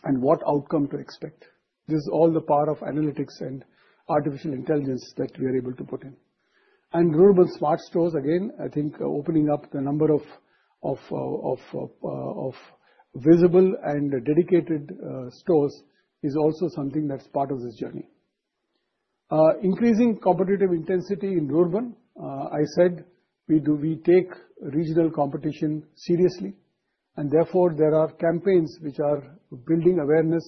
and what outcome to expect. This is all the power of analytics and artificial intelligence that we are able to put in. Rural smart stores, again, I think opening up the number of visible and dedicated stores is also something that's part of this journey. Increasing competitive intensity in rural, I said we take regional competition seriously, and therefore, there are campaigns which are building awareness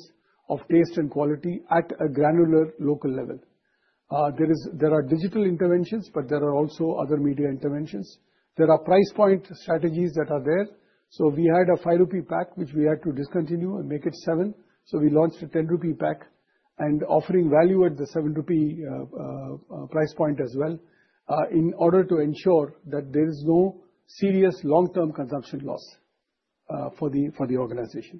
of taste and quality at a granular local level. There are digital interventions, but there are also other media interventions. There are price point strategies that are there. We had a 5 rupee pack, which we had to discontinue and make it seven, so we launched a 10 rupee pack and offering value at the 7 rupee price point as well in order to ensure that there is no serious long-term consumption loss for the organization.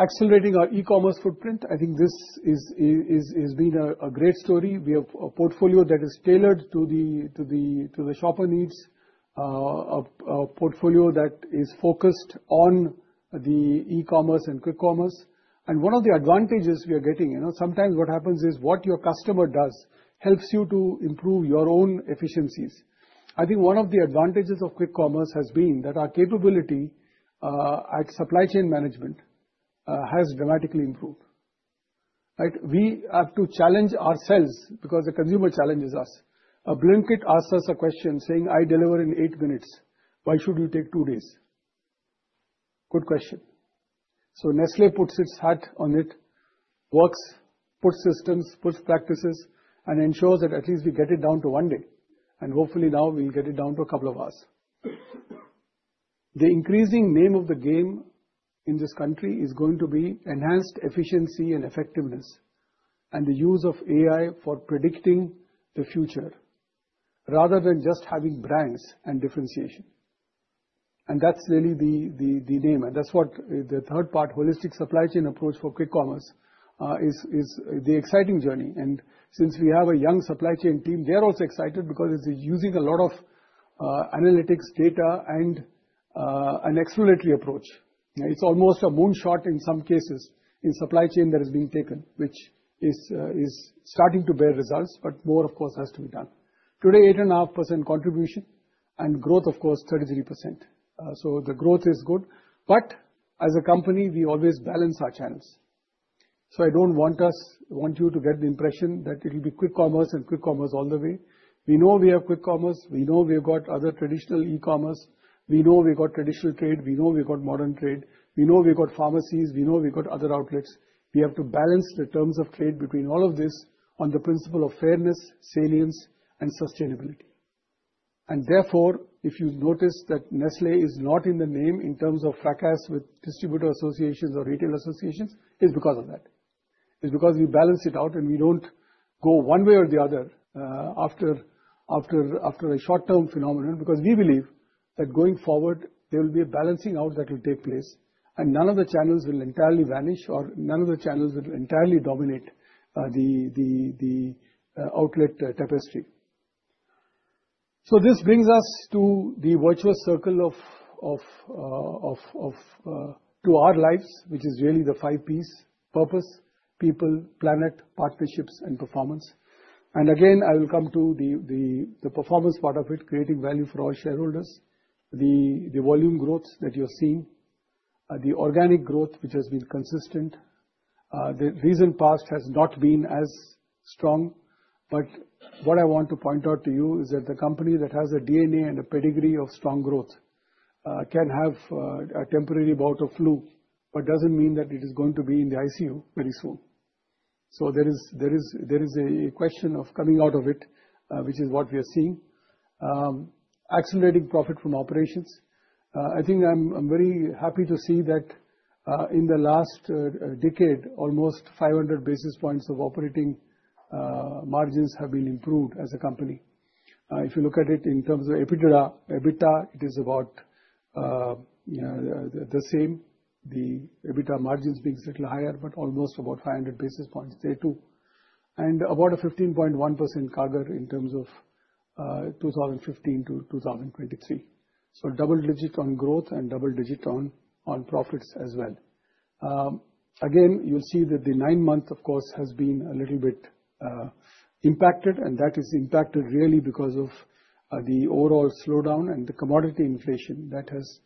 Accelerating our e-commerce footprint, I think this has been a great story. We have a portfolio that is tailored to the shopper needs, a portfolio that is focused on the e-commerce and quick commerce. One of the advantages we are getting, you know, sometimes what happens is, what your customer does helps you to improve your own efficiencies. I think one of the advantages of quick commerce has been that our capability at supply chain management has dramatically improved, right? We have to challenge ourselves because the consumer challenges us. A Blinkit asks us a question saying, "I deliver in eight minutes. Why should you take two days?" Good question. Nestlé puts its hat on it, works, puts systems, puts practices, and ensures that at least we get it down to one day, and hopefully now we'll get it down to a couple of hours. The increasing name of the game in this country is going to be enhanced efficiency and effectiveness, and the use of AI for predicting the future, rather than just having brands and differentiation. That's really the name, and that's what the third part, holistic supply chain approach for quick commerce, is the exciting journey. Since we have a young supply chain team, they're also excited because it's using a lot of analytics data and an exploratory approach. It's almost a moonshot in some cases in supply chain that is being taken, which is starting to bear results, but more, of course, has to be done. Today, 8.5% contribution, growth, of course, 33%. The growth is good. As a company, we always balance our channels. I don't want you to get the impression that it'll be quick commerce and quick commerce all the way. We know we have quick commerce, we know we've got other traditional e-commerce, we know we've got traditional trade, we know we've got modern trade, we know we've got pharmacies, we know we've got other outlets. We have to balance the terms of trade between all of this on the principle of fairness, salience, and sustainability. Therefore, if you notice that Nestlé is not in the name in terms of fracas with distributor associations or retail associations, it's because of that. It's because we balance it out, and we don't go one way or the other, after a short-term phenomenon, because we believe that going forward, there will be a balancing out that will take place, and none of the channels will entirely vanish or none of the channels will entirely dominate the outlet tapestry. This brings us to the virtuous circle of to our lives, which is really the five Ps: purpose, people, planet, partnerships, and performance. Again, I will come to the performance part of it, creating value for all shareholders. The volume growth that you're seeing, the organic growth, which has been consistent. The recent past has not been as strong, but what I want to point out to you is that the company that has a DNA and a pedigree of strong growth, can have a temporary bout of flu, but doesn't mean that it is going to be in the ICU very soon. There is a question of coming out of it, which is what we are seeing. Accelerating profit from operations. I think I'm very happy to see that in the last decade, almost 500 basis points of operating margins have been improved as a company. If you look at it in terms of EBITDA, it is about, you know, the same, the EBITDA margins being slightly higher, but almost about 500 basis points there, too. About a 15.1% CAGR in terms of 2015 to 2023. Double-digit on growth and double-digit on profits as well. Again, you'll see that the nine months, of course, has been a little bit impacted, and that is impacted really because of the overall slowdown and the commodity inflation that has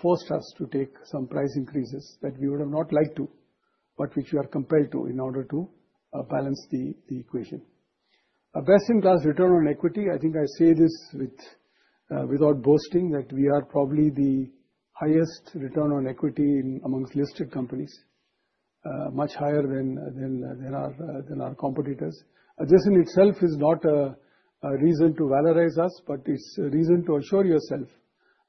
forced us to take some price increases that we would have not liked to, but which we are compelled to in order to balance the equation. A best-in-class return on equity, I think I say this without boasting, that we are probably the highest return on equity in amongst listed companies, much higher than our competitors. This in itself is not a reason to valorize us, but it's a reason to assure yourself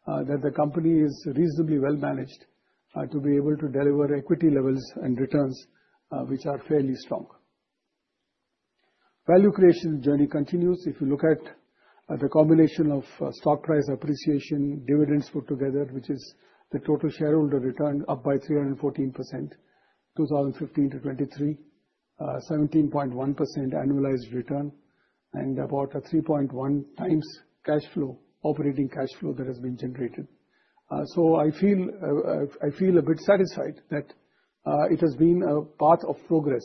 that the company is reasonably well managed to be able to deliver equity levels and returns which are fairly strong. Value creation journey continues. If you look at the combination of stock price appreciation, dividends put together, which is the total shareholder return, up by 314%, 2015-2023. 17.1% annualized return, and about a 3.1x operating cash flow that has been generated. I feel a bit satisfied that it has been a path of progress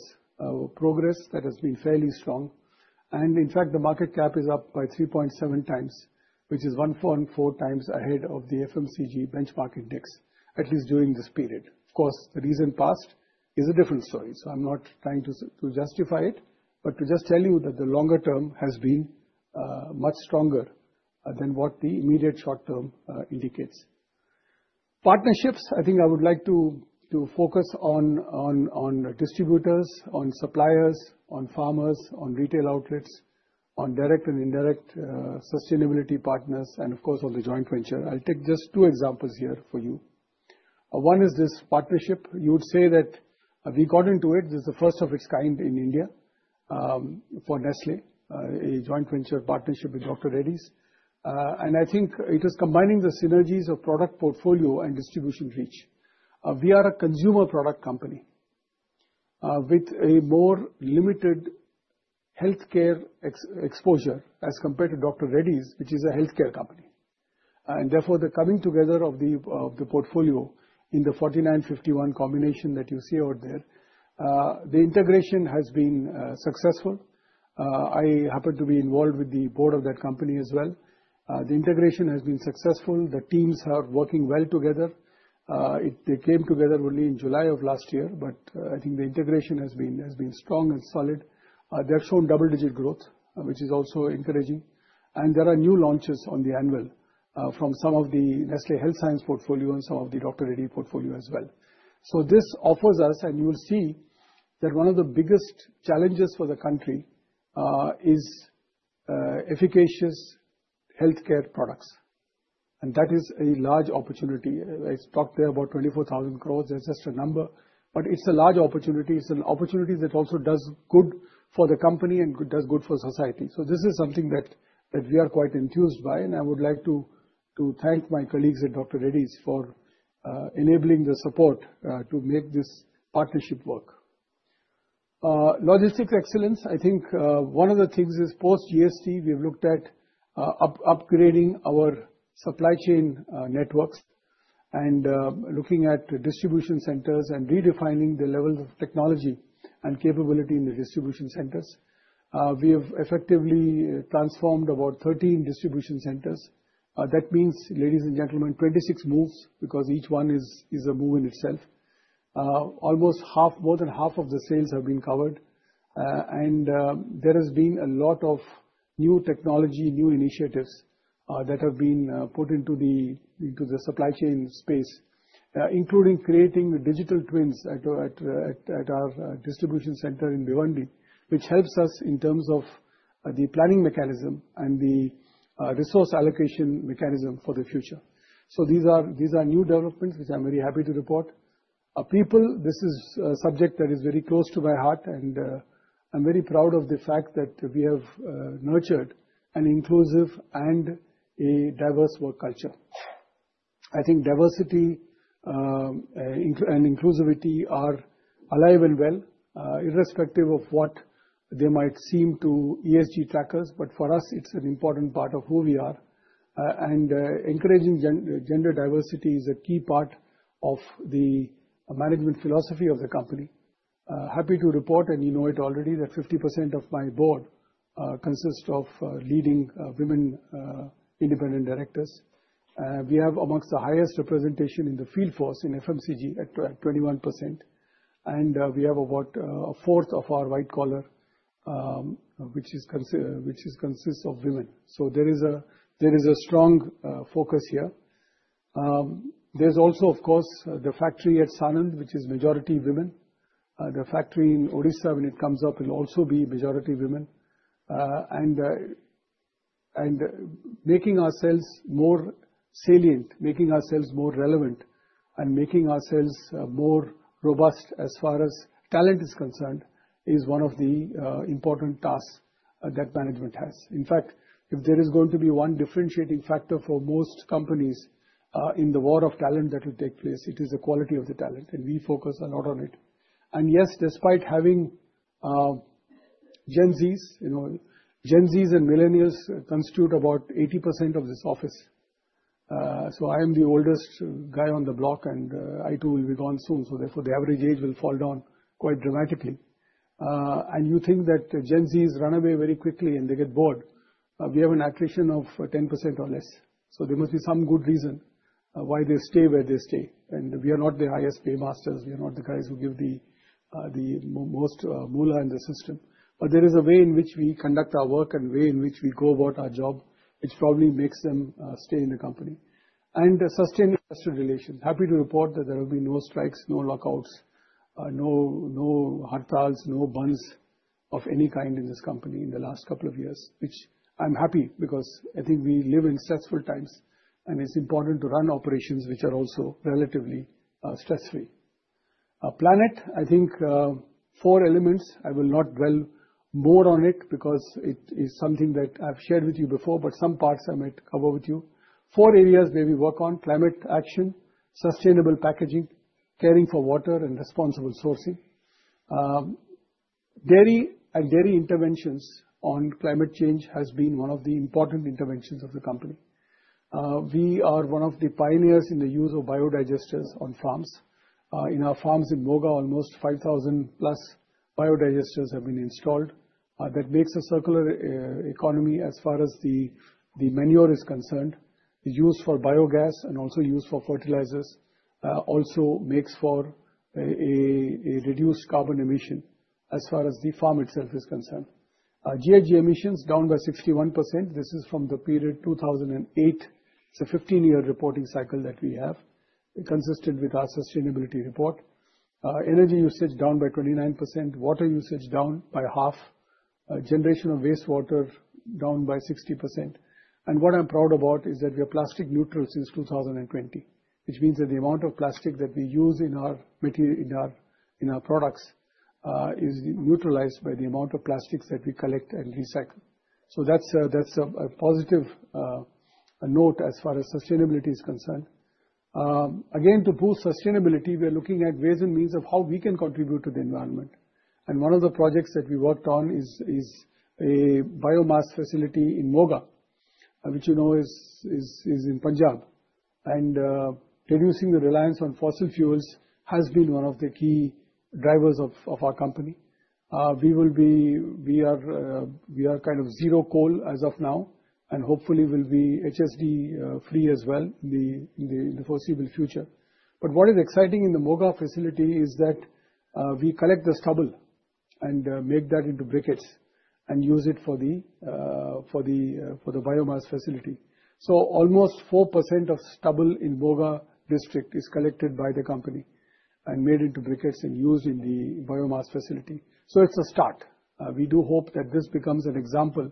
that has been fairly strong. In fact, the market cap is up by 3.7 times, which is 1.4 times ahead of the FMCG benchmark index, at least during this period. Of course, the recent past is a different story, so I'm not trying to justify it, but to just tell you that the longer term has been much stronger than what the immediate short term indicates. Partnerships, I think I would like to focus on distributors, on suppliers, on farmers, on retail outlets, on direct and indirect sustainability partners, and of course, on the joint venture. I'll take just two examples here for you. One is this partnership. You would say that we got into it, this is the first of its kind in India, for Nestlé, a joint venture partnership with Dr. Reddy's. I think it is combining the synergies of product portfolio and distribution reach. We are a consumer product company, with a more limited healthcare exposure as compared to Dr. Reddy's, which is a healthcare company. Therefore, the coming together of the portfolio in the 49, 51 combination that you see over there, the integration has been successful. I happen to be involved with the board of that company as well. The integration has been successful. The teams are working well together. They came together only in July of last year, but I think the integration has been strong and solid. They have shown double-digit growth, which is also encouraging. There are new launches on the annual from some of the Nestlé Health Science portfolio and some of the Dr. Reddy's portfolio as well. This offers us, and you will see, that one of the biggest challenges for the country is efficacious healthcare products, and that is a large opportunity. I talked there about 24,000 crores, that's just a number, but it's a large opportunity. It's an opportunity that also does good for the company and does good for society. This is something that we are quite enthused by, and I would like to thank my colleagues at Dr. Reddy's for enabling the support to make this partnership work. Logistics excellence. I think, one of the things is post-GST, we've looked at upgrading our supply chain networks and looking at distribution centers and redefining the levels of technology and capability in the distribution centers. We have effectively transformed about 13 distribution centers. That means, ladies and gentlemen, 26 moves, because each one is a move in itself. Almost half, more than half of the sales have been covered, and there has been a lot of new technology, new initiatives, that have been put into the into the supply chain space, including creating the digital twins at our distribution center in Bhiwandi, which helps us in terms of the planning mechanism and the resource allocation mechanism for the future. These are, these are new developments, which I'm very happy to report. Our people, this is a subject that is very close to my heart. I'm very proud of the fact that we have nurtured an inclusive and a diverse work culture. I think diversity and inclusivity are alive and well, irrespective of what they might seem to ESG trackers, but for us, it's an important part of who we are. Encouraging gender diversity is a key part of the management philosophy of the company. Happy to report, you know it already, that 50% of my board consists of leading women independent directors. We have amongst the highest representation in the field force in FMCG at 21%. We have about a fourth of our white collar which consists of women. There is a strong focus here. There's also, of course, the factory at Sanand, which is majority women. The factory in Odisha, when it comes up, will also be majority women. Making ourselves more salient, making ourselves more relevant, and making ourselves more robust as far as talent is concerned, is one of the important tasks that management has. In fact, if there is going to be one differentiating factor for most companies, in the war of talent that will take place, it is the quality of the talent, and we focus a lot on it. Yes, despite having Gen Zs, you know, Gen Zs and millennials constitute about 80% of this office. I am the oldest guy on the block, and I, too, will be gone soon. Therefore, the average age will fall down quite dramatically. You think that Gen Z run away very quickly, and they get bored. We have an attrition of 10% or less. There must be some good reason why they stay where they stay. We are not the highest paymasters, we are not the guys who give the most moolah in the system. There is a way in which we conduct our work and way in which we go about our job, which probably makes them stay in the company. Sustainable industrial relations. Happy to report that there have been no strikes, no lockouts, no hartals, no bunds of any kind in this company in the last couple of years, which I'm happy because I think we live in stressful times, and it's important to run operations which are also relatively stress-free. Our planet, I think, four elements. I will not dwell more on it because it is something that I've shared with you before, but some parts I might cover with you. Four areas where we work on: climate action, sustainable packaging, caring for water, and responsible sourcing. Dairy and dairy interventions on climate change has been one of the important interventions of the company. We are one of the pioneers in the use of biodigesters on farms. In our farms in Moga, almost 5,000+ biodigesters have been installed. That makes a circular economy as far as the manure is concerned. The use for biogas and also use for fertilizers, also makes for a reduced carbon emission as far as the farm itself is concerned. Our GHG emissions, down by 61%. This is from the period 2008. It's a 15-year reporting cycle that we have, consistent with our sustainability report. Energy usage down by 29%, water usage down by half, generation of wastewater down by 60%. What I'm proud about is that we are plastic neutral since 2020, which means that the amount of plastic that we use in our, in our products is neutralized by the amount of plastics that we collect and recycle. That's a positive note as far as sustainability is concerned. Again, to boost sustainability, we are looking at ways and means of how we can contribute to the environment. One of the projects that we worked on is a biomass facility in Moga, which you know is in Punjab. Reducing the reliance on fossil fuels has been one of the key drivers of our company. We are kind of zero coal as of now, and hopefully we'll be HSD free as well in the foreseeable future. What is exciting in the Moga facility is that we collect the stubble and make that into briquettes and use it for the biomass facility. Almost 4% of stubble in Moga district is collected by the company and made into briquettes and used in the biomass facility. We do hope that this becomes an example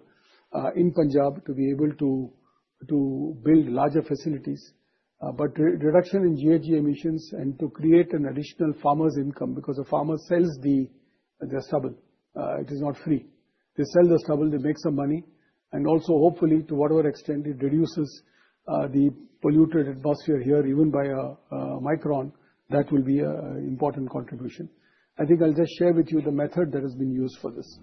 in Punjab to be able to build larger facilities, but re-reduction in GHG emissions and to create an additional farmer's income, because the farmer sells the stubble, it is not free. They sell the stubble, they make some money, and also hopefully, to whatever extent it reduces the polluted atmosphere here, even by a micron, that will be an important contribution. I think I'll just share with you the method that has been used for this.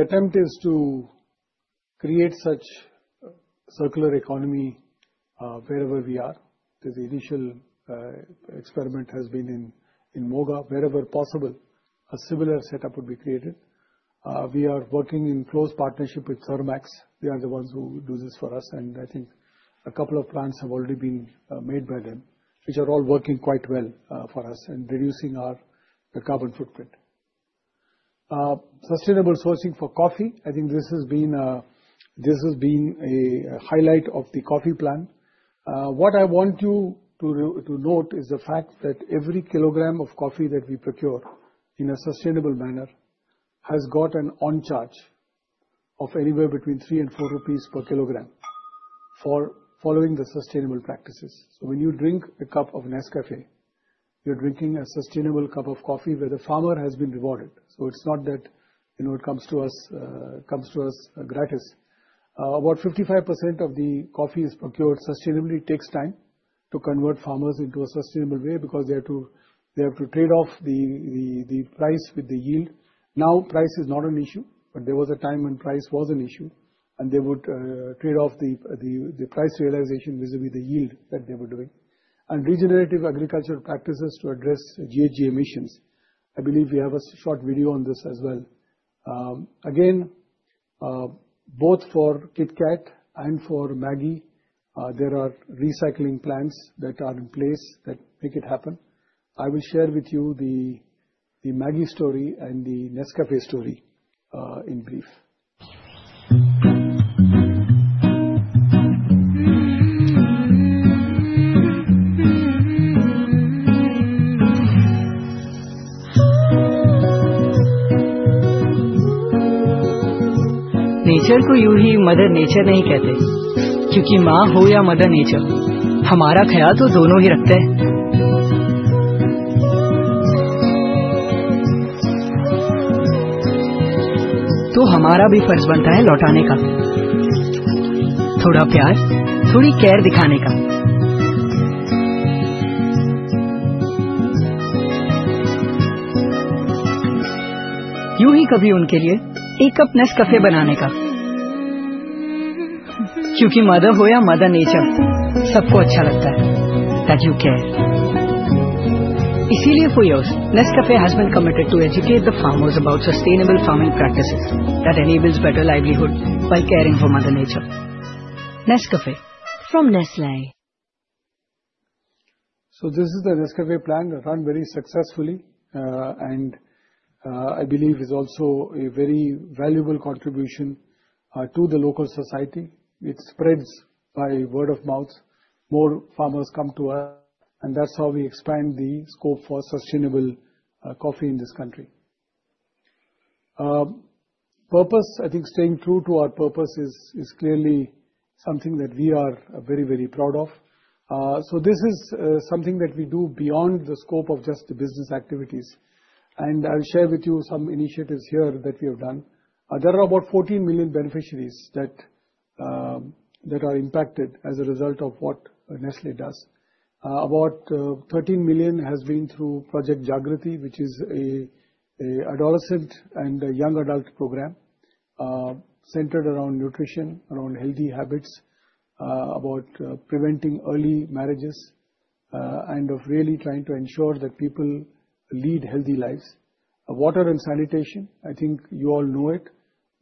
The attempt is to create such circular economy wherever we are. The initial experiment has been in Moga. Wherever possible, a similar setup would be created. We are working in close partnership with Thermax. They are the ones who do this for us, and I think a couple of plants have already been made by them, which are all working quite well for us and reducing the carbon footprint. Sustainable sourcing for coffee. I think this has been a highlight of the coffee plan. What I want you to note is the fact that every kilogram of coffee that we procure in a sustainable manner, has got an on charge of anywhere between 3 and 4 rupees per kilogram for following the sustainable practices. When you drink a cup of Nescafé, you're drinking a sustainable cup of coffee, where the farmer has been rewarded. It's not that, you know, it comes to us, it comes to us gratis. About 55% of the coffee is procured sustainably. It takes time to convert farmers into a sustainable way because they have to trade off the price with the yield. Price is not an issue, but there was a time when price was an issue, they would trade off the price realization vis-à-vis the yield that they were doing. Regenerative agricultural practices to address GHG emissions. I believe we have a short video on this as well. Again, both for KitKat and for Maggi, there are recycling plants that are in place that make it happen. I will share with you the Maggi story and the Nescafé story in brief. Nature Mother Nature, This is the Nescafé plan that ran very successfully, and I believe is also a very valuable contribution to the local society. It spreads by word of mouth. More farmers come to us, and that's how we expand the scope for sustainable coffee in this country. Purpose, I think staying true to our purpose is clearly something that we are very, very proud of. This is something that we do beyond the scope of just the business activities, and I'll share with you some initiatives here that we have done. There are about 14 million beneficiaries that are impacted as a result of what Nestlé does. About 13 million has been through Project Jagriti, which is an adolescent and a young adult program, centered around nutrition, around healthy habits, about preventing early marriages, and of really trying to ensure that people lead healthy lives. Water and sanitation, I think you all know it,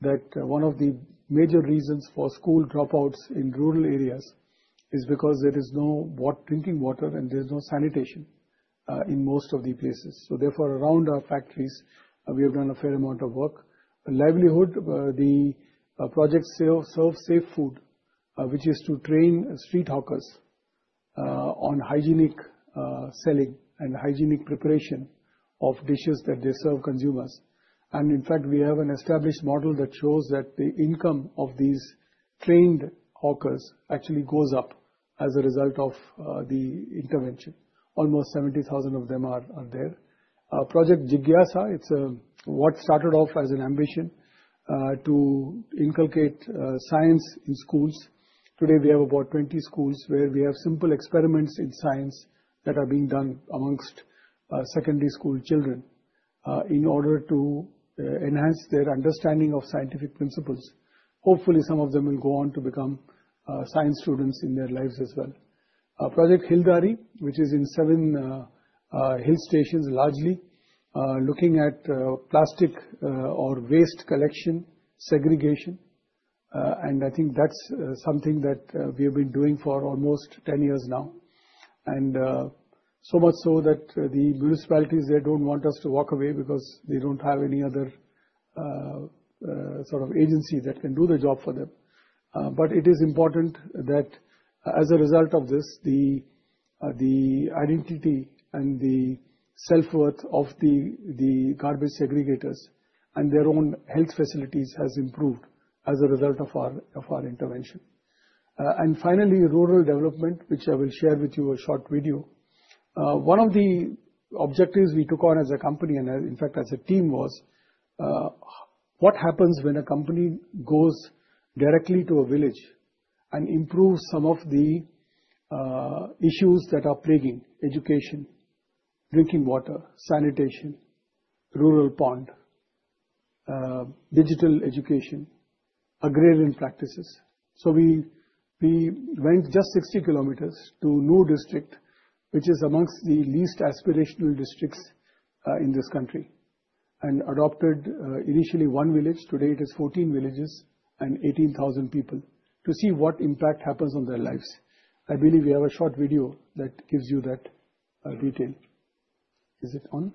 that one of the major reasons for school dropouts in rural areas is because there is no drinking water and there's no sanitation, in most of the places. Therefore, around our factories, we have done a fair amount of work. Livelihood, the Project Serve Safe Food, which is to train street hawkers, on hygienic selling and hygienic preparation of dishes that they serve consumers. In fact, we have an established model that shows that the income of these trained hawkers actually goes up as a result of the intervention. Almost 70,000 of them are there. Project Jigyasa, what started off as an ambition to inculcate science in schools. Today, we have about 20 schools, where we have simple experiments in science that are being done amongst secondary school children in order to enhance their understanding of scientific principles. Hopefully, some of them will go on to become science students in their lives as well. Project Hilldaari, which is in seven hill stations, largely looking at plastic or waste collection, segregation, and I think that's something that we have been doing for almost 10 years now. So much so that the municipalities, they don't want us to walk away because they don't have any other sort of agency that can do the job for them. It is important that as a result of this, the identity and the self-worth of the garbage aggregators and their own health facilities has improved as a result of our intervention. Finally, rural development, which I will share with you a short video. One of the objectives we took on as a company, and in fact, as a team, was what happens when a company goes directly to a village and improves some of the issues that are plaguing education, drinking water, sanitation, rural pond, digital education, agrarian practices. We went just 60 km to Nuh district, which is amongst the least aspirational districts in this country, and adopted initially one village, today it is 14 villages and 18,000 people, to see what impact happens on their lives. I believe we have a short video that gives you that detail. Is it on?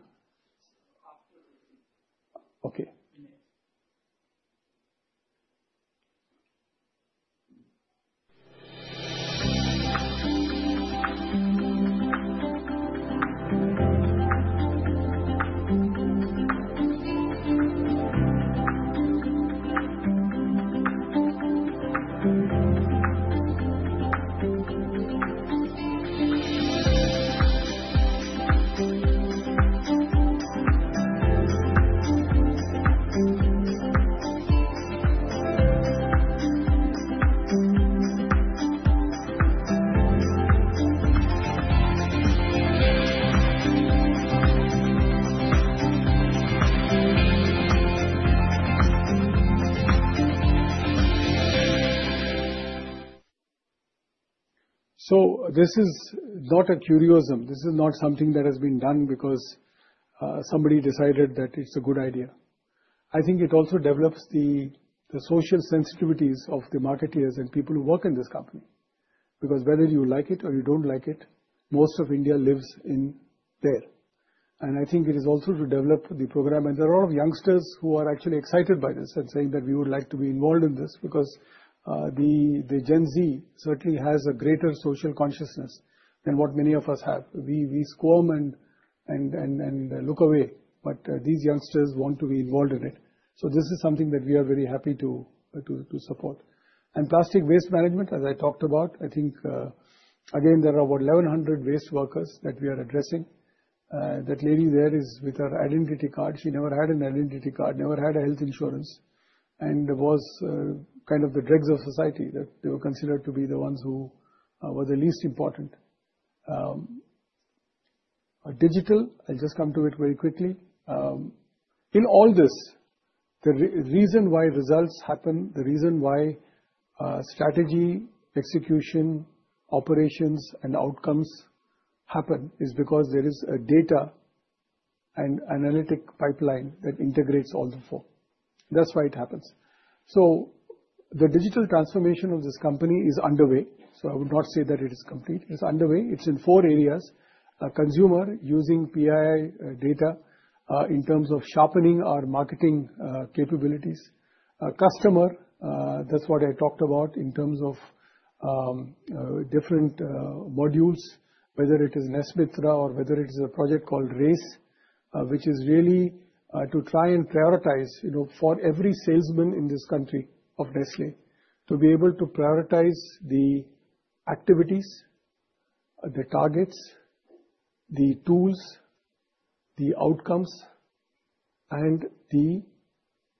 Okay. This is not a curioism. This is not something that has been done because somebody decided that it's a good idea. I think it also develops the social sensitivities of the marketers and people who work in this company, because whether you like it or you don't like it, most of India lives in there. I think it is also to develop the program, and there are a lot of youngsters who are actually excited by this and saying that we would like to be involved in this because the Gen Z certainly has a greater social consciousness than what many of us have. We squirm and look away, but these youngsters want to be involved in it. This is something that we are very happy to support. Plastic waste management, as I talked about, I think, again, there are about 1,100 waste workers that we are addressing. That lady there is with her identity card. She never had an identity card, never had a health insurance, and was kind of the dregs of society, that they were considered to be the ones who were the least important. Digital, I'll just come to it very quickly. In all this, the reason why results happen, the reason why strategy, execution, operations, and outcomes happen is because there is a data and analytic pipeline that integrates all the four. That's why it happens. The digital transformation of this company is underway, so I would not say that it is complete. It's underway. It's in four areas: consumer, using PII data, in terms of sharpening our marketing capabilities. Customer, that's what I talked about in terms of different modules, whether it is NESmitra or whether it is a project called RACE, which is really to try and prioritize, you know, for every salesman in this country of Nestlé, to be able to prioritize the activities, the targets, the tools, the outcomes, and the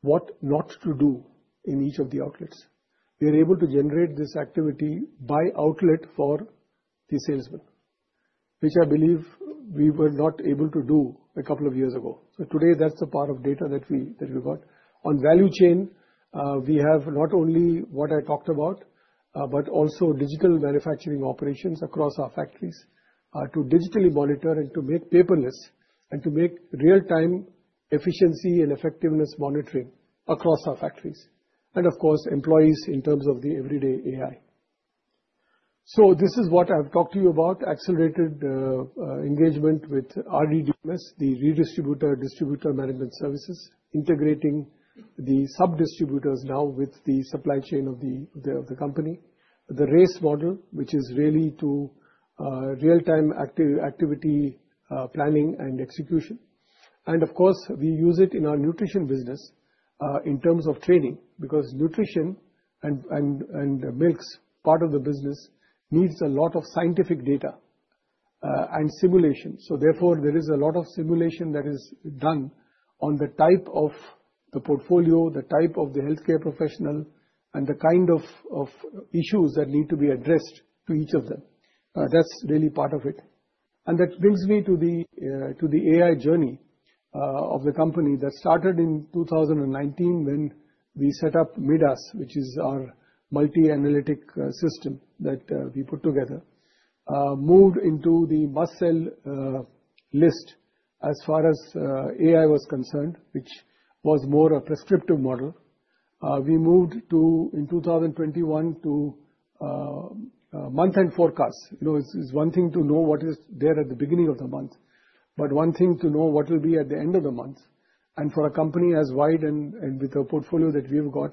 what not to do in each of the outlets. We are able to generate this activity by outlet for the salesman, which I believe we were not able to do a couple of years ago. Today, that's the part of data that we, that we've got. On value chain, we have not only what I talked about, but also digital manufacturing operations across our factories, to digitally monitor and to make paperless and to make real-time efficiency and effectiveness monitoring across our factories, and of course, employees in terms of the everyday AI. This is what I've talked to you about, accelerated engagement with RDMS, the Redistributor Distributor Management System, integrating the sub-distributors now with the supply chain of the company. The RACE model, which is really to real-time activity planning and execution. Of course, we use it in our nutrition business, in terms of training, because nutrition and milks, part of the business, needs a lot of scientific data and simulation. Therefore, there is a lot of simulation that is done on the type of the portfolio, the type of the healthcare professional, and the kind of issues that need to be addressed to each of them. That's really part of it. That brings me to the AI journey of the company that started in 2019 when we set up MIDAS, which is our Multi Analytic System that we put together. Moved into the must-sell list as far as AI was concerned, which was more a prescriptive model. We moved to, in 2021, to month-end forecast. You know, it's one thing to know what is there at the beginning of the month, but one thing to know what will be at the end of the month. For a company as wide and with the portfolio that we've got,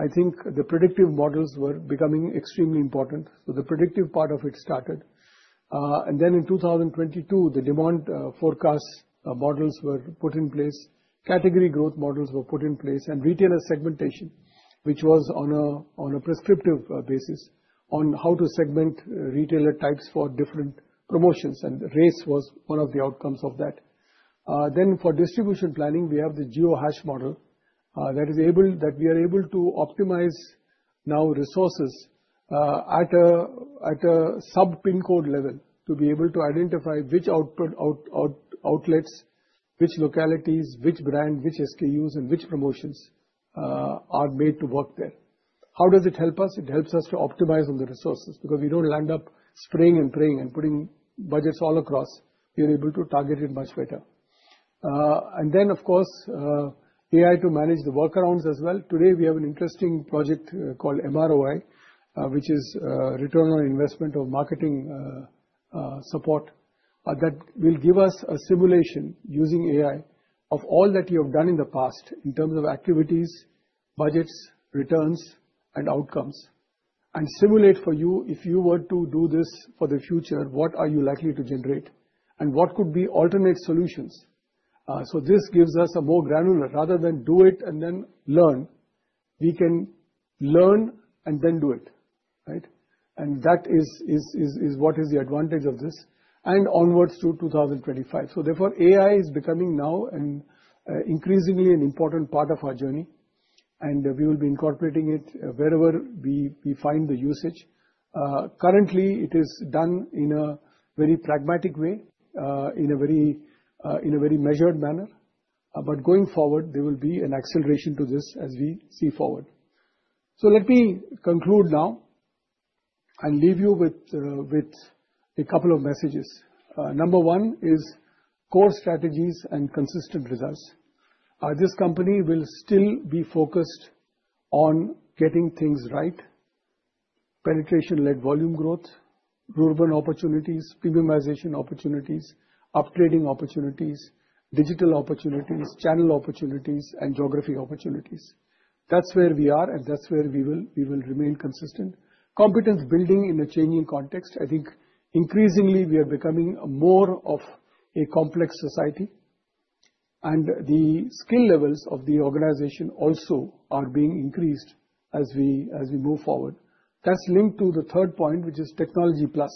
I think the predictive models were becoming extremely important. The predictive part of it started. In 2022, the demand forecast models were put in place, category growth models were put in place, and retailer segmentation, which was on a prescriptive basis, on how to segment retailer types for different promotions, and RACE was one of the outcomes of that. For distribution planning, we have the geo-hash model that we are able to optimize now resources at a sub-pin code level to be able to identify which outlets, which localities, which brand, which SKUs, and which promotions are made to work there. How does it help us? It helps us to optimize on the resources, because we don't land up spraying and praying and putting budgets all across. We are able to target it much better. Then, of course, AI to manage the workarounds as well. Today, we have an interesting project called MROI, which is return on investment of marketing support. That will give us a simulation using AI of all that you have done in the past in terms of activities, budgets, returns, and outcomes, and simulate for you, if you were to do this for the future, what are you likely to generate, and what could be alternate solutions? This gives us a more granular. Rather than do it and then learn, we can learn and then do it, right? That is what is the advantage of this, onwards through 2025. Therefore, AI is becoming now an increasingly an important part of our journey, and we will be incorporating it wherever we find the usage. Currently, it is done in a very pragmatic way, in a very, in a very measured manner. Going forward, there will be an acceleration to this as we see forward. Let me conclude now and leave you with a couple of messages. Number one is core strategies and consistent results. This company will still be focused on getting things right, penetration-led volume growth, rural opportunities, premiumization opportunities, up-trading opportunities, digital opportunities, channel opportunities, and geography opportunities. That's where we are, and that's where we will remain consistent. Competence building in a changing context, I think increasingly we are becoming more of a complex society, and the skill levels of the organization also are being increased as we move forward. That's linked to the third point, which is technology plus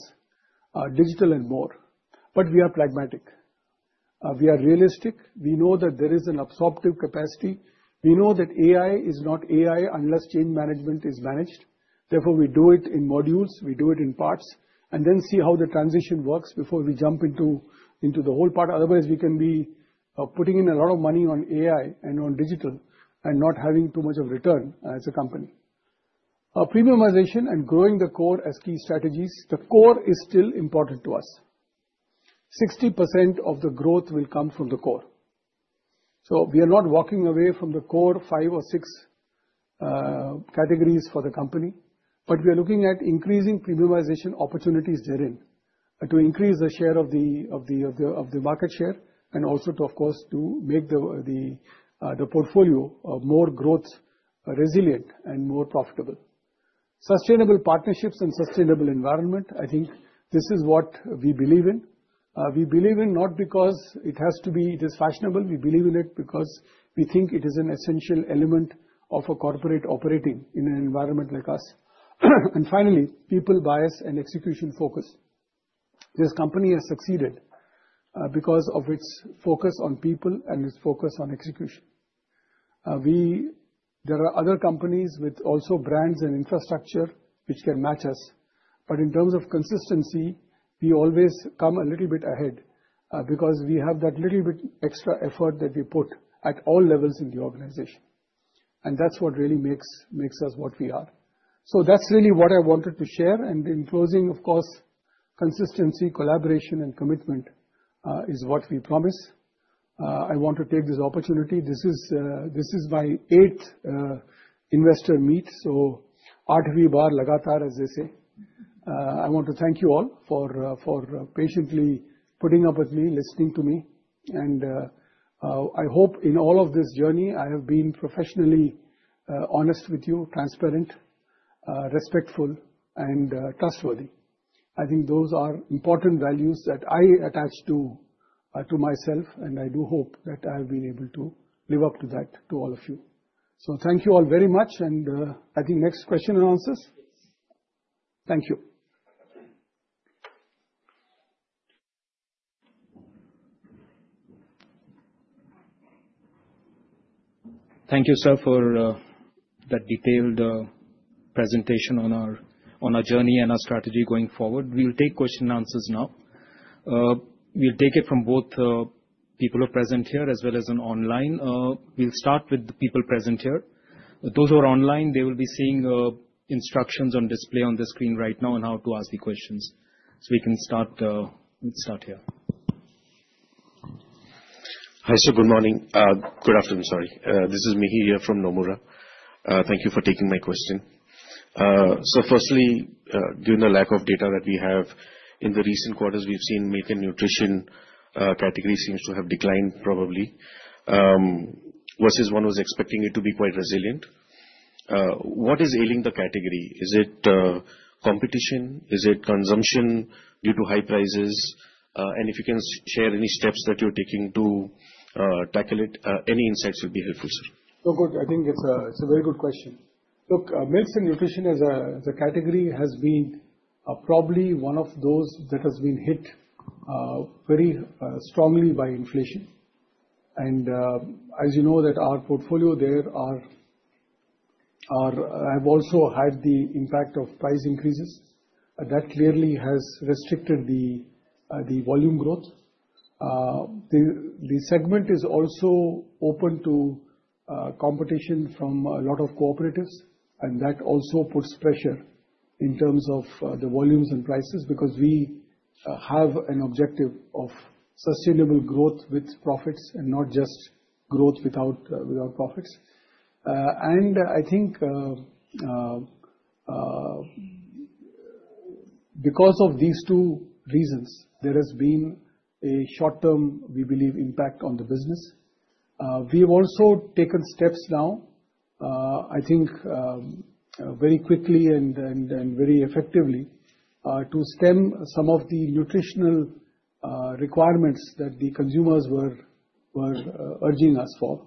digital and more. We are pragmatic, we are realistic. We know that there is an absorptive capacity. We know that AI is not AI unless change management is managed. Therefore, we do it in modules, we do it in parts, and then see how the transition works before we jump into the whole part. Otherwise, we can be putting in a lot of money on AI and on digital and not having too much of return as a company. Premiumization and growing the core as key strategies. The core is still important to us. 60% of the growth will come from the core. We are not walking away from the core five or six categories for the company, but we are looking at increasing premiumization opportunities therein, to increase the share of the market share, and also to, of course, to make the portfolio, more growth resilient and more profitable. Sustainable partnerships and sustainable environment, I think this is what we believe in. We believe in not because it has to be, it is fashionable. We believe in it because we think it is an essential element of a corporate operating in an environment like us. Finally, people bias and execution focus. This company has succeeded because of its focus on people and its focus on execution. There are other companies with also brands and infrastructure which can match us, but in terms of consistency, we always come a little bit ahead, because we have that little bit extra effort that we put at all levels in the organization, and that's what really makes us what we are. That's really what I wanted to share. In closing, of course, consistency, collaboration, and commitment, is what we promise. I want to take this opportunity. This is, this is my eighth investor meet, so "...", as they say. I want to thank you all for patiently putting up with me, listening to me, and I hope in all of this journey, I have been professionally honest with you, transparent, respectful, and trustworthy. I think those are important values that I attach to myself, and I do hope that I've been able to live up to that, to all of you. Thank you all very much, and I think next question and answers. Thank you. Thank you, sir, for that detailed presentation on our journey and our strategy going forward. We will take question and answers now. We'll take it from both people who are present here as well as on online. We'll start with the people present here. Those who are online, they will be seeing instructions on display on the screen right now on how to ask the questions. We can start, we'll start here. Hi, sir. Good morning. Good afternoon, sorry. This is Mihir from Nomura. Thank you for taking my question. Firstly, given the lack of data that we have, in the recent quarters, we've seen milk and nutrition category seems to have declined, probably, versus one was expecting it to be quite resilient. What is ailing the category? Is it competition? Is it consumption due to high prices? If you can share any steps that you're taking to tackle it, any insights will be helpful, sir. Good. I think it's a very good question. Look, milks and nutrition as a category has been probably one of those that has been hit very strongly by inflation. As you know, that our portfolio there have also had the impact of price increases. That clearly has restricted the volume growth. The segment is also open to competition from a lot of cooperatives, and that also puts pressure in terms of the volumes and prices, because we have an objective of sustainable growth with profits and not just growth without profits. I think because of these two reasons, there has been a short-term, we believe, impact on the business. We've also taken steps now, I think, very quickly and very effectively, to stem some of the nutritional requirements that the consumers were urging us for.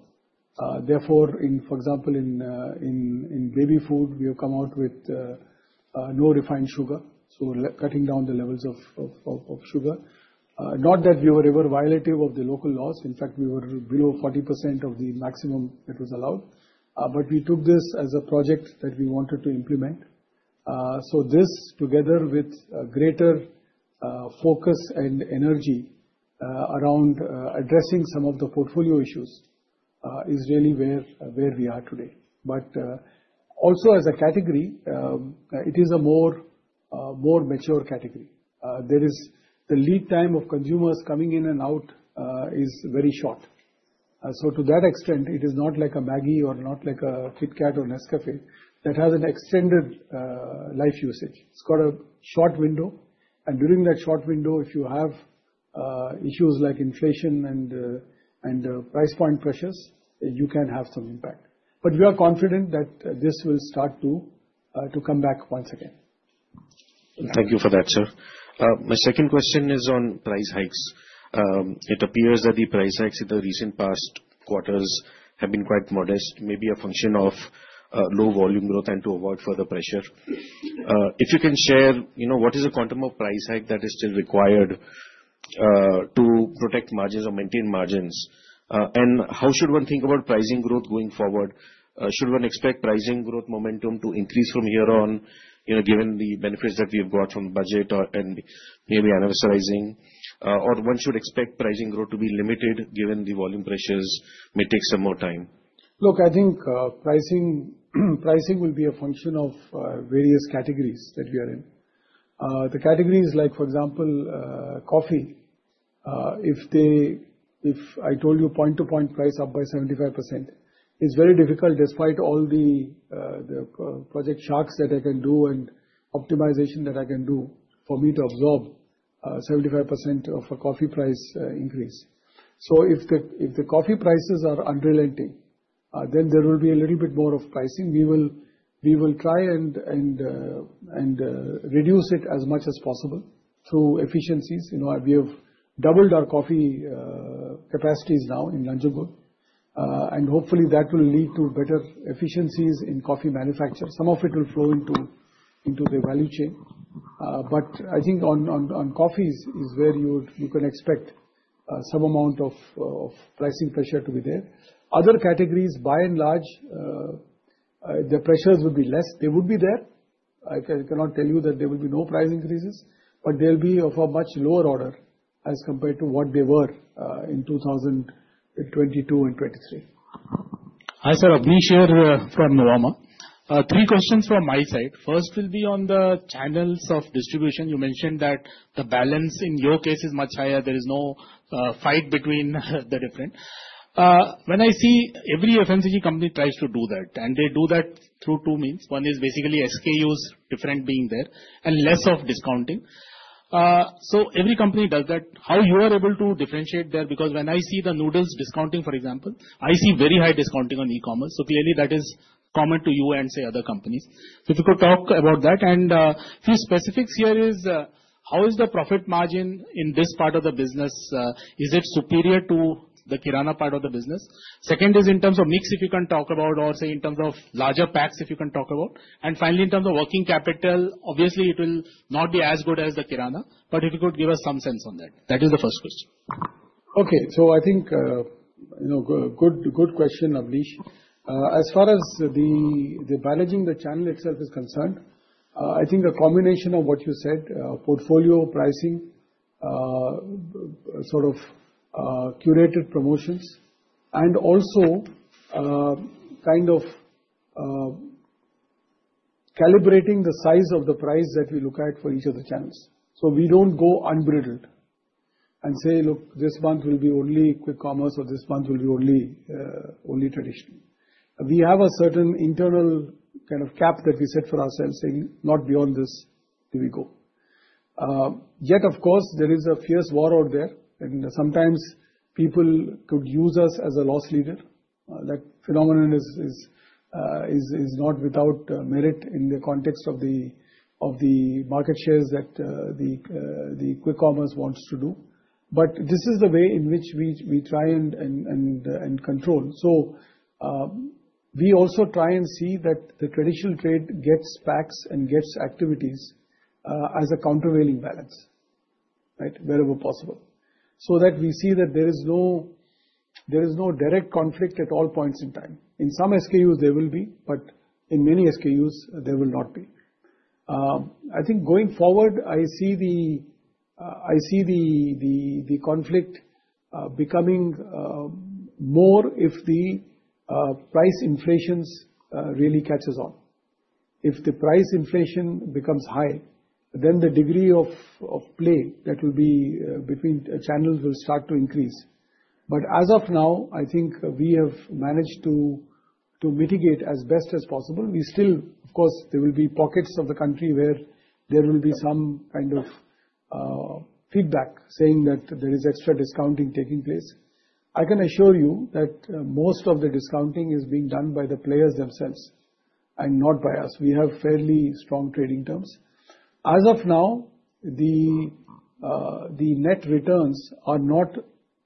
Therefore, in, for example, in baby food, we have come out with no refined sugar, so re- cutting down the levels of sugar. Not that we were ever violative of the local laws. In fact, we were below 40% of the maximum that was allowed, but we took this as a project that we wanted to implement. This, together with a greater focus and energy around addressing some of the portfolio issues, is really where we are today. Also as a category, it is a more mature category. There is the lead time of consumers coming in and out, is very short. To that extent, it is not like a Maggi or not like a KitKat or Nescafé that has an extended, life usage. It's got a short window, and during that short window, if you have, issues like inflation and price point pressures, you can have some impact. We are confident that this will start to come back once again. Thank you for that, sir. My second question is on price hikes. It appears that the price hikes in the recent past quarters have been quite modest, maybe a function of low volume growth and to avoid further pressure. If you can share, you know, what is the quantum of price hike that is still required to protect margins or maintain margins? How should one think about pricing growth going forward? Should one expect pricing growth momentum to increase from here on, you know, given the benefits that we have got from budget or, and maybe analyzing, or one should expect pricing growth to be limited given the volume pressures may take some more time? Look, I think pricing will be a function of various categories that we are in. The categories like, for example, coffee, if I told you point-to-point price up by 75%, it's very difficult, despite all the Project Shark that I can do and optimization that I can do, for me to absorb 75% of a coffee price increase. If the coffee prices are unrelenting, then there will be a little bit more of pricing. We will try and reduce it as much as possible through efficiencies. You know, we have doubled our coffee capacities now in Nanjangud, and hopefully that will lead to better efficiencies in coffee manufacture. Some of it will flow into the value chain. I think on coffees is where you can expect some amount of pricing pressure to be there. Other categories, by and large, the pressures would be less. They would be there. I cannot tell you that there will be no price increases, but they'll be of a much lower order as compared to what they were in 2022 and 2023. Hi, sir. Avnish here from Nuvama. Three questions from my side. First will be on the channels of distribution. You mentioned that the balance in your case is much higher. There is no fight between the different. When I see every FMCG company tries to do that, and they do that through two means. One is basically SKUs different being there and less of discounting. Every company does that. How you are able to differentiate there? Because when I see the noodles discounting, for example, I see very high discounting on e-commerce, so clearly that is common to you and, say, other companies. Few specifics here is, how is the profit margin in this part of the business? Is it superior to the kirana part of the business? Second is in terms of mix, if you can talk about or, say, in terms of larger packs, if you can talk about. Finally, in terms of working capital, obviously it will not be as good as the kirana, but if you could give us some sense on that. That is the first question. Okay. I think, you know, good question, Avnish. As far as the balancing the channel itself is concerned, I think a combination of what you said, portfolio pricing, sort of, curated promotions, and also, kind of, calibrating the size of the price that we look at for each of the channels. We don't go unbridled and say: Look, this month will be only quick commerce, or this month will be only traditional. We have a certain internal kind of cap that we set for ourselves, saying, "Not beyond this do we go." Yet, of course, there is a fierce war out there, and sometimes people could use us as a loss leader. That phenomenon is not without merit in the context of the market shares that the quick commerce wants to do. This is the way in which we try and control. We also try and see that the traditional trade gets packs and gets activities as a countervailing balance, right? Wherever possible. That we see that there is no direct conflict at all points in time. In some SKUs, there will be, but in many SKUs, there will not be. I think going forward, I see the conflict becoming more if the price inflations really catches on. If the price inflation becomes high, the degree of play that will be between channels will start to increase. As of now, I think we have managed to mitigate as best as possible. Of course, there will be pockets of the country where there will be some kind of feedback, saying that there is extra discounting taking place. I can assure you that most of the discounting is being done by the players themselves and not by us. We have fairly strong trading terms. As of now, the net returns are not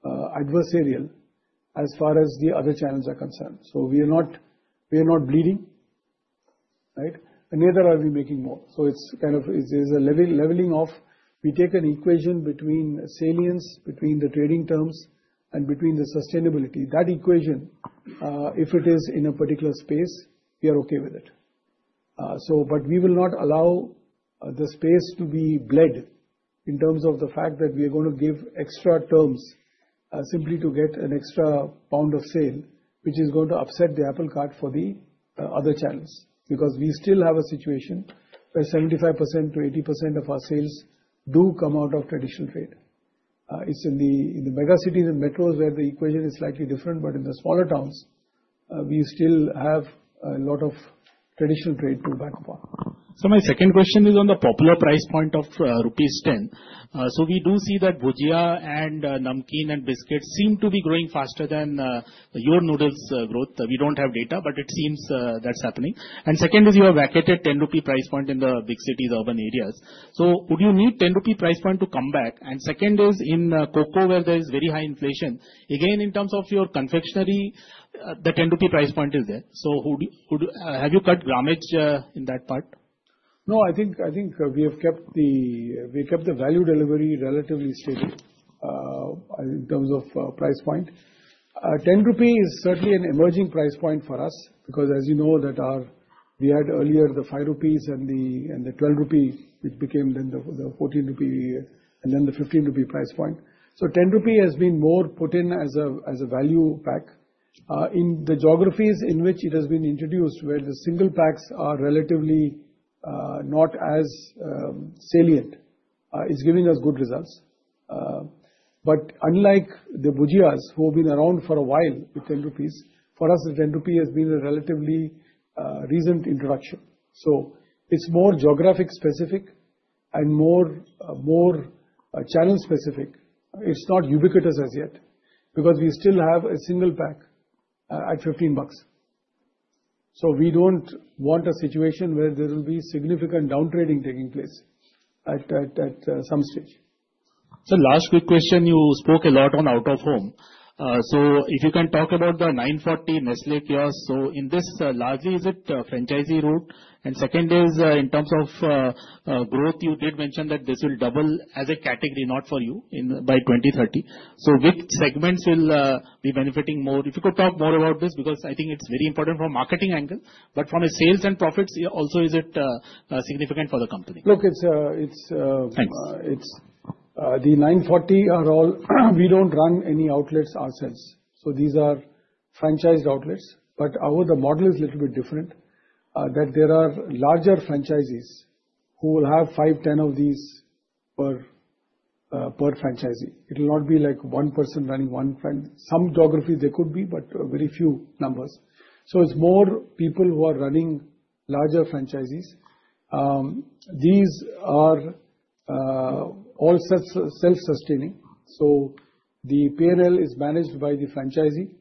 adversarial as far as the other channels are concerned. We are not bleeding, right? Neither are we making more. It's kind of, it's a leveling off. We take an equation between salience, between the trading terms, and between the sustainability. That equation, if it is in a particular space, we are okay with it. We will not allow the space to be bled in terms of the fact that we are going to give extra terms, simply to get an extra pound of sale, which is going to upset the apple cart for the other channels. We still have a situation where 75%-80% of our sales do come out of traditional trade. It's in the, in the mega cities and metros, where the equation is slightly different, but in the smaller towns, we still have a lot of traditional trade to back up. My second question is on the popular price point of rupees 10. We do see that bhujia and namkeen and biscuits seem to be growing faster than your noodles growth. We don't have data, but it seems that's happening. Second is, you have vacated 10 rupee price point in the big cities, urban areas. Would you need 10 rupee price point to come back? Second is, in cocoa, where there is very high inflation, again, in terms of your confectionery, the INR 10 price point is there. Have you cut grammage in that part? I think we kept the value delivery relatively steady in terms of price point. 10 rupee is certainly an emerging price point for us, because as you know, that we had earlier the 5 rupees and the 12 rupee, which became then the 14 rupee and then the 15 rupee price point. 10 rupee has been more put in as a value pack. In the geographies in which it has been introduced, where the single packs are relatively not as salient, is giving us good results. Unlike the bhujias, who have been around for a while, with 10 rupees, for us, the 10 rupee has been a relatively recent introduction. It's more geographic specific and more channel specific. It's not ubiquitous as yet, because we still have a single pack, at INR 15. We don't want a situation where there will be significant downtrading taking place at some stage. Last quick question, you spoke a lot on out of home. If you can talk about the 940 Nestlé kiosk. In this, largely, is it a franchisee route? Second is, in terms of growth, you did mention that this will double as a category, not for you, by 2030. Which segments will be benefiting more? If you could talk more about this, because I think it's very important from a marketing angle, but from a sales and profits, also, is it significant for the company? Look, it's. Thanks. The 940 are all. We don't run any outlets ourselves, so these are franchised outlets. Our, the model is little bit different, that there are larger franchisees who will have five, ten of these per franchisee. It will not be like one person running one fran- some geographies they could be, but very few numbers. It's more people who are running larger franchisees. These are all self-sustaining, so the PNL is managed by the franchisee.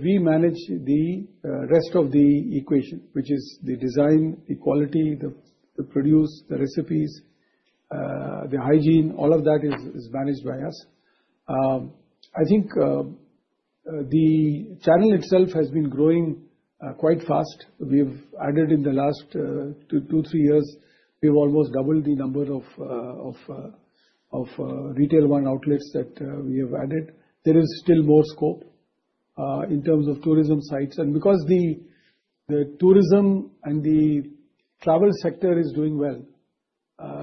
We manage the rest of the equation, which is the design, the quality, the produce, the recipes, the hygiene, all of that is managed by us. I think the channel itself has been growing quite fast. We've added in the last two, three years, we've almost doubled the number of Retail ONE outlets that we have added. There is still more scope in terms of tourism sites. Because the tourism and the travel sector is doing well,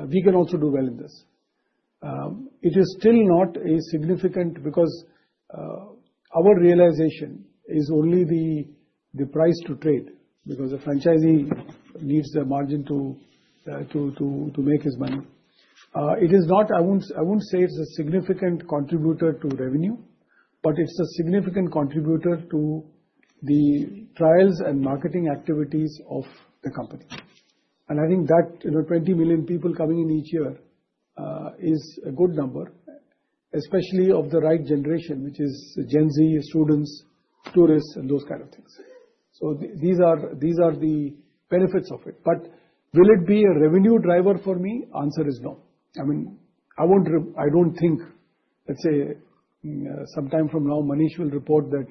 we can also do well in this. It is still not a significant because our realization is only the price to trade, because the franchisee needs the margin to make his money. I won't say it's a significant contributor to revenue, but it's a significant contributor to the trials and marketing activities of the company. I think that, you know, 20 million people coming in each year, is a good number, especially of the right generation, which is Gen Z, students, tourists, and those kind of things. These are the benefits of it. Will it be a revenue driver for me? Answer is no. I mean, I don't think...Let's say, sometime from now, Manish will report that,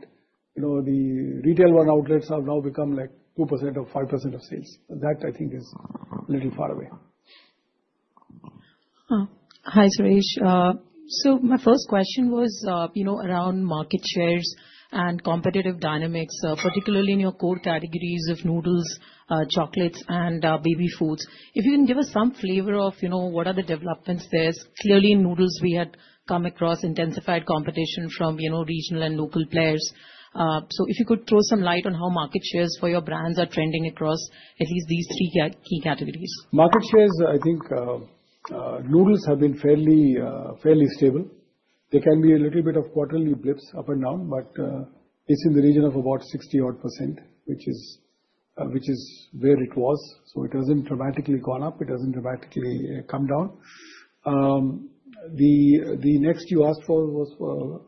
you know, the Retail ONE outlets have now become like 2% or 5% of sales. That I think is a little far away. Hi, Suresh. My first question was, you know, around market shares and competitive dynamics, particularly in your core categories of noodles, chocolates, and baby foods. If you can give us some flavor of, you know, what are the developments there. Clearly, in noodles, we had come across intensified competition from, you know, regional and local players. If you could throw some light on how market shares for your brands are trending across at least these three key categories. Market shares, I think, noodles have been fairly stable. There can be a little bit of quarterly blips up and down, but, it's in the region of about 60% odd, which is where it was. It hasn't dramatically gone up, it hasn't dramatically come down. The next you asked for was for...?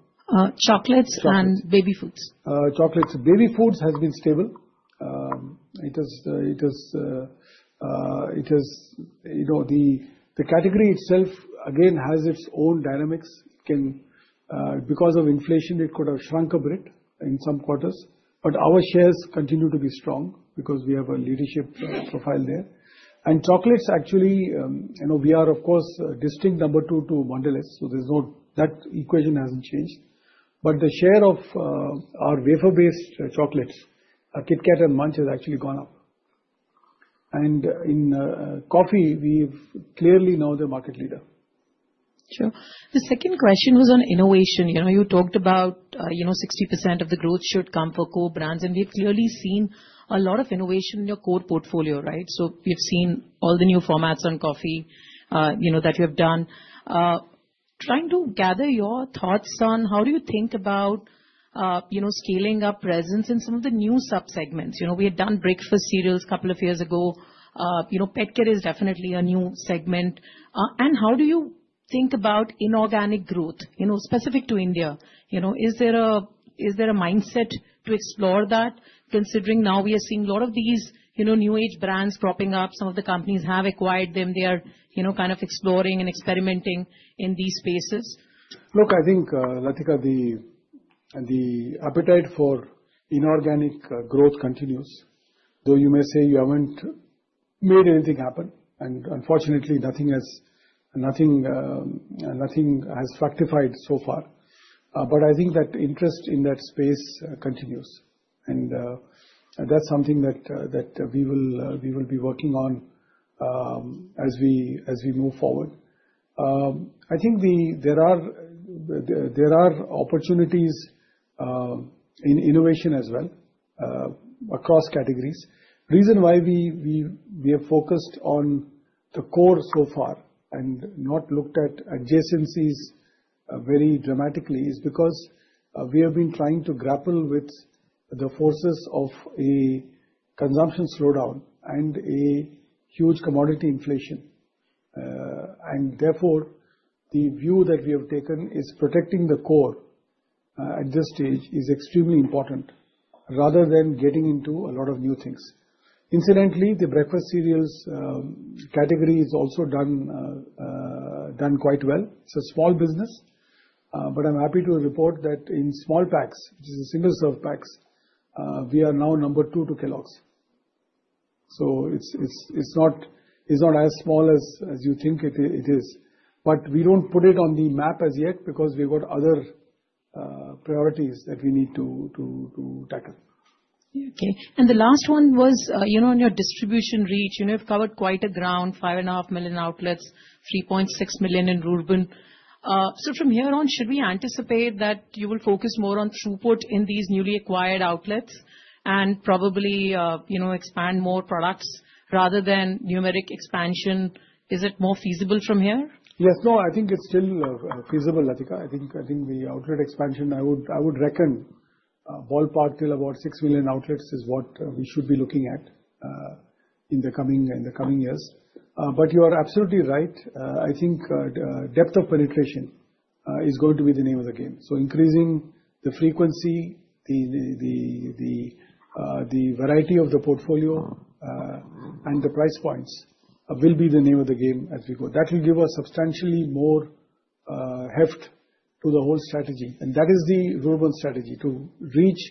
chocolates. Chocolates. baby foods. Chocolates. Baby foods has been stable. It is, you know, the category itself, again, has its own dynamics. Because of inflation, it could have shrunk a bit in some quarters, but our shares continue to be strong because we have a leadership profile there. Chocolates, actually, you know, we are, of course, distinct number two to Mondelez, so there's no that equation hasn't changed. The share of our wafer-based chocolates, KitKat and Munch, has actually gone up. In coffee, we've clearly now the market leader. Sure. The second question was on innovation. You know, you talked about, you know, 60% of the growth should come for core brands, and we've clearly seen a lot of innovation in your core portfolio, right? We've seen all the new formats on coffee, you know, that you have done. Trying to gather your thoughts on how do you think about, you know, scaling up presence in some of the new subsegments. You know, we had done breakfast cereals couple of years ago. You know, pet care is definitely a new segment. How do you think about inorganic growth, you know, specific to India? You know, is there a mindset to explore that, considering now we are seeing a lot of these, you know, new age brands cropping up? Some of the companies have acquired them. They are, you know, kind of exploring and experimenting in these spaces. Look, I think, Latika, the appetite for inorganic growth continues, though you may say you haven't made anything happen, and unfortunately, nothing has fructified so far. But I think that interest in that space continues, and that's something that we will be working on as we move forward. I think there are opportunities in innovation as well across categories. Reason why we have focused on the core so far and not looked at adjacencies very dramatically is because we have been trying to grapple with the forces of a consumption slowdown and a huge commodity inflation. Therefore, the view that we have taken is protecting the core at this stage is extremely important, rather than getting into a lot of new things. Incidentally, the breakfast cereals category has also done quite well. It's a small business, but I'm happy to report that in small packs, which is in single serve packs, we are now number two to Kellogg's. It's not as small as you think it is. We don't put it on the map as yet, because we've got other priorities that we need to tackle. Okay. The last one was, you know, on your distribution reach, you know, you've covered quite a ground, 5.5 million outlets, 3.6 million in rural. From here on, should we anticipate that you will focus more on throughput in these newly acquired outlets and probably, you know, expand more products rather than numeric expansion? Is it more feasible from here? Yes. No, I think it's still feasible, Latika. I think the outlet expansion, I would reckon, ballpark till about 6 million outlets is what we should be looking at in the coming years. You are absolutely right. I think depth of penetration is going to be the name of the game. Increasing the frequency, the variety of the portfolio, and the price points will be the name of the game as we go. That will give us substantially more heft to the whole strategy, and that is the rural strategy: to reach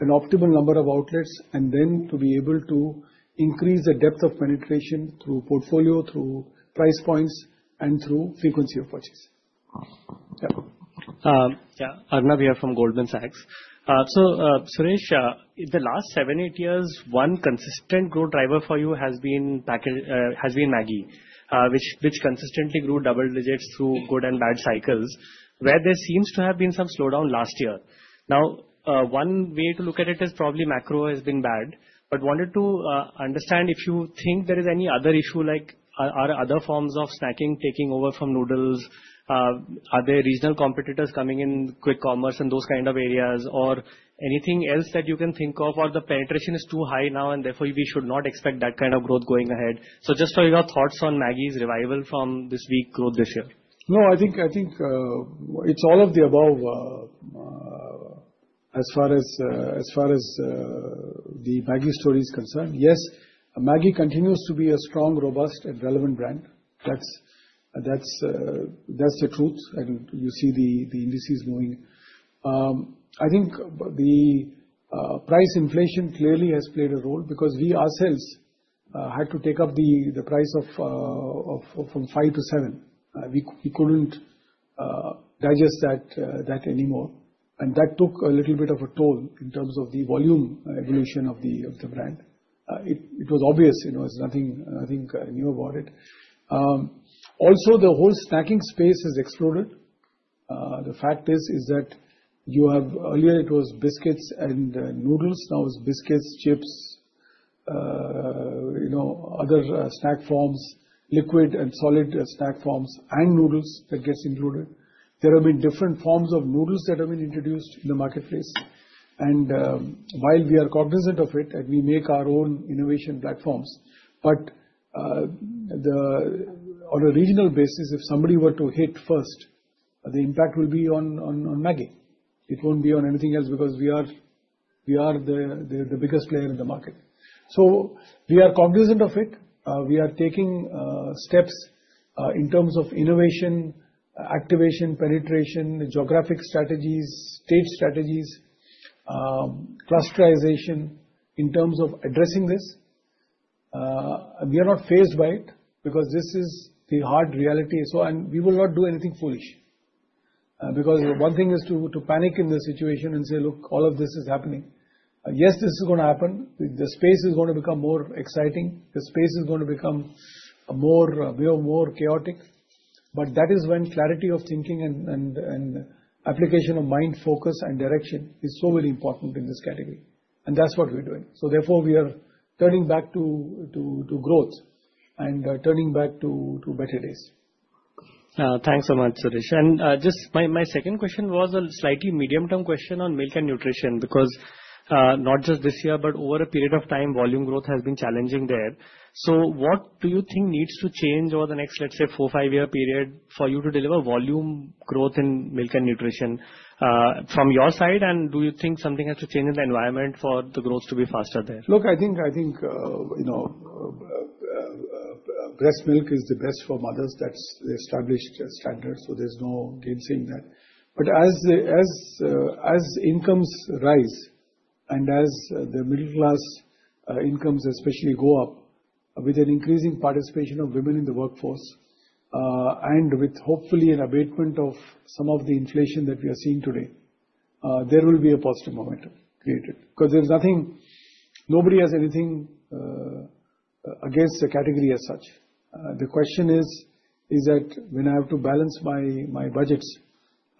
an optimal number of outlets, and then to be able to increase the depth of penetration through portfolio, through price points, and through frequency of purchase. Yeah. Yeah, Arnab here from Goldman Sachs. Suresh, in the last seven, eight years, one consistent growth driver for you has been Maggi, which consistently grew double digits through good and bad cycles, where there seems to have been some slowdown last year. One way to look at it is probably macro has been bad, but wanted to understand if you think there is any other issue, like are other forms of snacking taking over from noodles? Are there regional competitors coming in quick commerce in those kind of areas, or anything else that you can think of, or the penetration is too high now, and therefore, we should not expect that kind of growth going ahead? Just tell your thoughts on Maggi's revival from this weak growth this year. No, I think, it's all of the above. As far as far as, the Maggi story is concerned, yes, Maggi continues to be a strong, robust, and relevant brand. That's, that's the truth, and you see the indices moving. I think the price inflation clearly has played a role, because we ourselves had to take up the price of from five to seven. We couldn't digest that anymore, and that took a little bit of a toll in terms of the volume evolution of the, of the brand. It was obvious, you know, it's nothing, I think I knew about it. Also, the whole snacking space has exploded. The fact is that you have earlier it was biscuits and noodles, now it's biscuits, chips, you know, other snack forms, liquid and solid snack forms, and noodles that gets included. There have been different forms of noodles that have been introduced in the marketplace. While we are cognizant of it, and we make our own innovation platforms, but on a regional basis, if somebody were to hit first, the impact will be on Maggi. It won't be on anything else, because we are the biggest player in the market. We are cognizant of it. We are taking steps in terms of innovation, activation, penetration, geographic strategies, state strategies, clusterization, in terms of addressing this. We are not phased by it, because this is the hard reality. We will not do anything foolish. Because one thing is to panic in this situation and say: Look, all of this is happening. Yes, this is gonna happen. The space is gonna become more exciting. The space is gonna become more, way more chaotic. That is when clarity of thinking and application of mind focus and direction is so very important in this category, and that's what we're doing. Therefore, we are turning back to growth and turning back to better days. Thanks so much, Suresh. Just my second question was a slightly medium-term question on milk and nutrition, because not just this year, but over a period of time, volume growth has been challenging there. What do you think needs to change over the next, let's say, four, five-year period for you to deliver volume growth in milk and nutrition from your side? Do you think something has to change in the environment for the growth to be faster there? Look, I think, you know, breast milk is the best for mothers. That's the established standard, so there's no debate in that. As incomes rise and as the middle-class incomes especially go up, with an increasing participation of women in the workforce, and with hopefully an abatement of some of the inflation that we are seeing today, there will be a positive momentum created. Nobody has anything against the category as such. The question is that when I have to balance my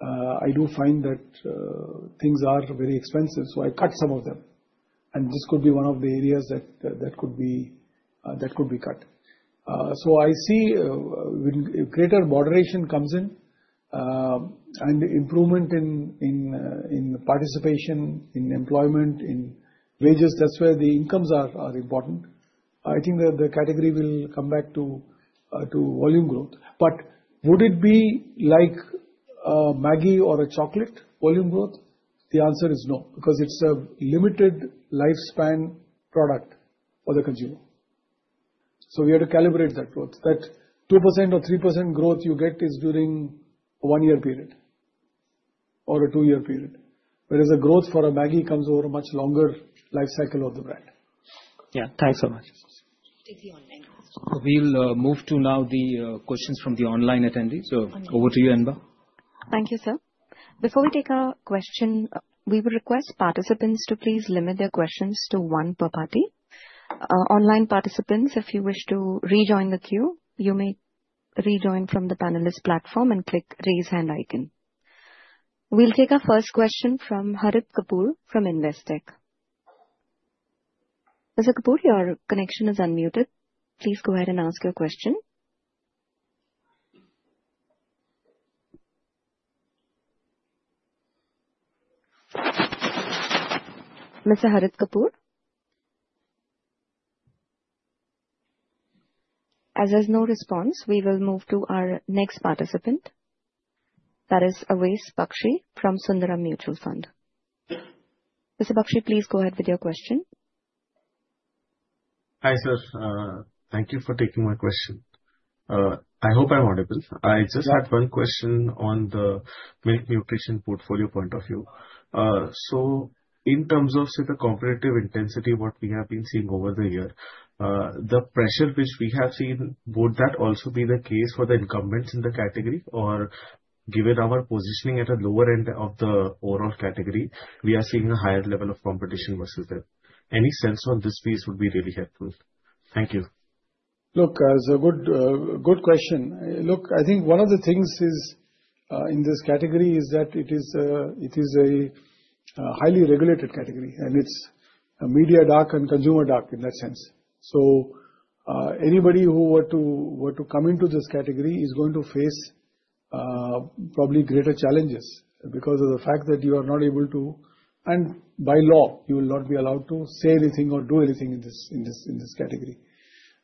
budgets, I do find that things are very expensive, so I cut some of them, and this could be one of the areas that could be that could be cut. I see when greater moderation comes in and improvement in participation, in employment, in wages, that's where the incomes are important. I think that the category will come back to volume growth. Would it be like Maggi or a chocolate volume growth? The answer is no, because it's a limited lifespan product for the consumer. We have to calibrate that growth. That 2% or 3% growth you get is during a one-year period or a two-year period, whereas a growth for a Maggi comes over a much longer life cycle of the brand. Yeah. Thanks so much. Take the online question. We'll move to now the questions from the online attendees. Over to you, Inba. Thank you, sir. Before we take our question, we will request participants to please limit their questions to one per party. Online participants, if you wish to rejoin the queue, you may rejoin from the panelist platform and click Raise Hand icon. We'll take our first question from Harit Kapoor from Investec. Mr. Kapoor, your connection is unmuted. Please go ahead and ask your question. Mr. Harit Kapoor? As there's no response, we will move to our next participant, that is Awais Bakshi from Sundaram Mutual Fund. Mr. Bakshi, please go ahead with your question. Hi, sir. Thank you for taking my question. I hope I'm audible, sir. Yeah. I just had one question on the milk nutrition portfolio point of view. In terms of, say, the competitive intensity, what we have been seeing over the year, the pressure which we have seen, would that also be the case for the incumbents in the category? Given our positioning at the lower end of the overall category, we are seeing a higher level of competition versus them. Any sense on this piece would be really helpful. Thank you. Look, it's a good question. Look, I think one of the things is, in this category, is that it is, it is a highly regulated category, and it's a media dark and consumer dark in that sense. Anybody who were to come into this category is going to face probably greater challenges because of the fact that you are not able to, and by law, you will not be allowed to say anything or do anything in this category.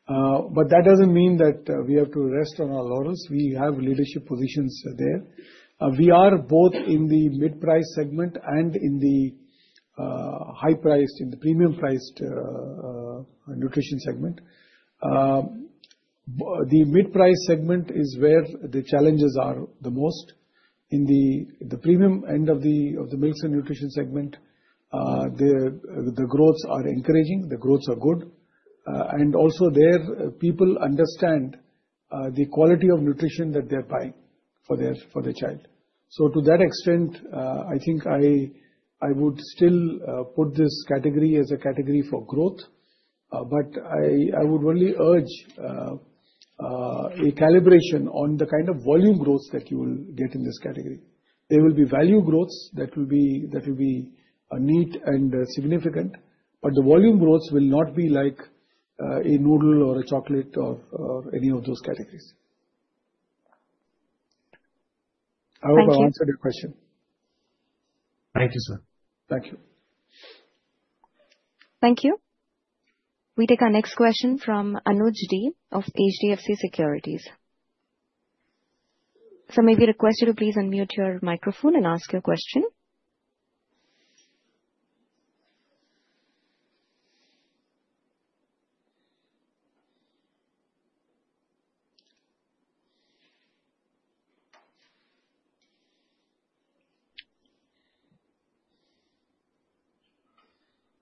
That doesn't mean that we have to rest on our laurels. We have leadership positions there. We are both in the mid-price segment and in the high-priced, in the premium-priced, nutrition segment. The mid-price segment is where the challenges are the most. In the premium end of the milk and nutrition segment, the growths are encouraging, the growths are good. Also there, people understand the quality of nutrition that they're buying for their child. To that extent, I think I would still put this category as a category for growth. I would only urge a calibration on the kind of volume growth that you will get in this category. There will be value growths that will be neat and significant, but the volume growth will not be like a noodle or a chocolate or any of those categories. I hope I answered your question. Thank you, sir. Thank you. Thank you. We take our next question from Anuj Gupta of HDFC Securities. Sir, may we request you to please unmute your microphone and ask your question?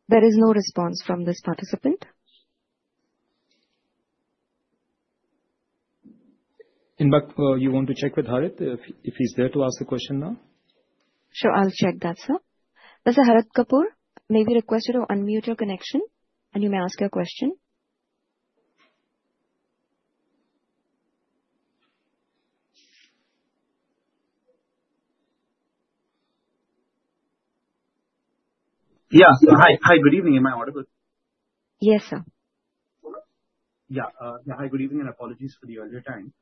There is no response from this participant. In fact, you want to check with Harit, if he's there to ask the question now? Sure, I'll check that, sir. Mr. Harit Kapoor, may we request you to unmute your connection, and you may ask your question. Yeah. Hi. Hi, good evening. Am I audible? Yes, sir. Hi, good evening, apologies for the earlier time.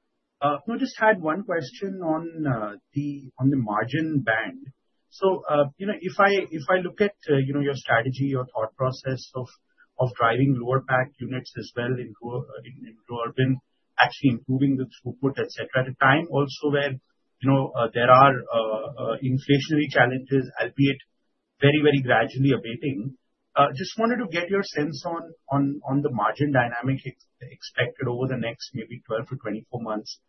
I just had one question on the margin band. You know, if I, if I look at, you know, your strategy, your thought process of driving lower pack units as well in urban, actually improving the throughput, et cetera, at a time also where, you know, there are inflationary challenges, albeit very, very gradually abating. Just wanted to get your sense on the margin dynamic expected over the next maybe 12 to 24 months.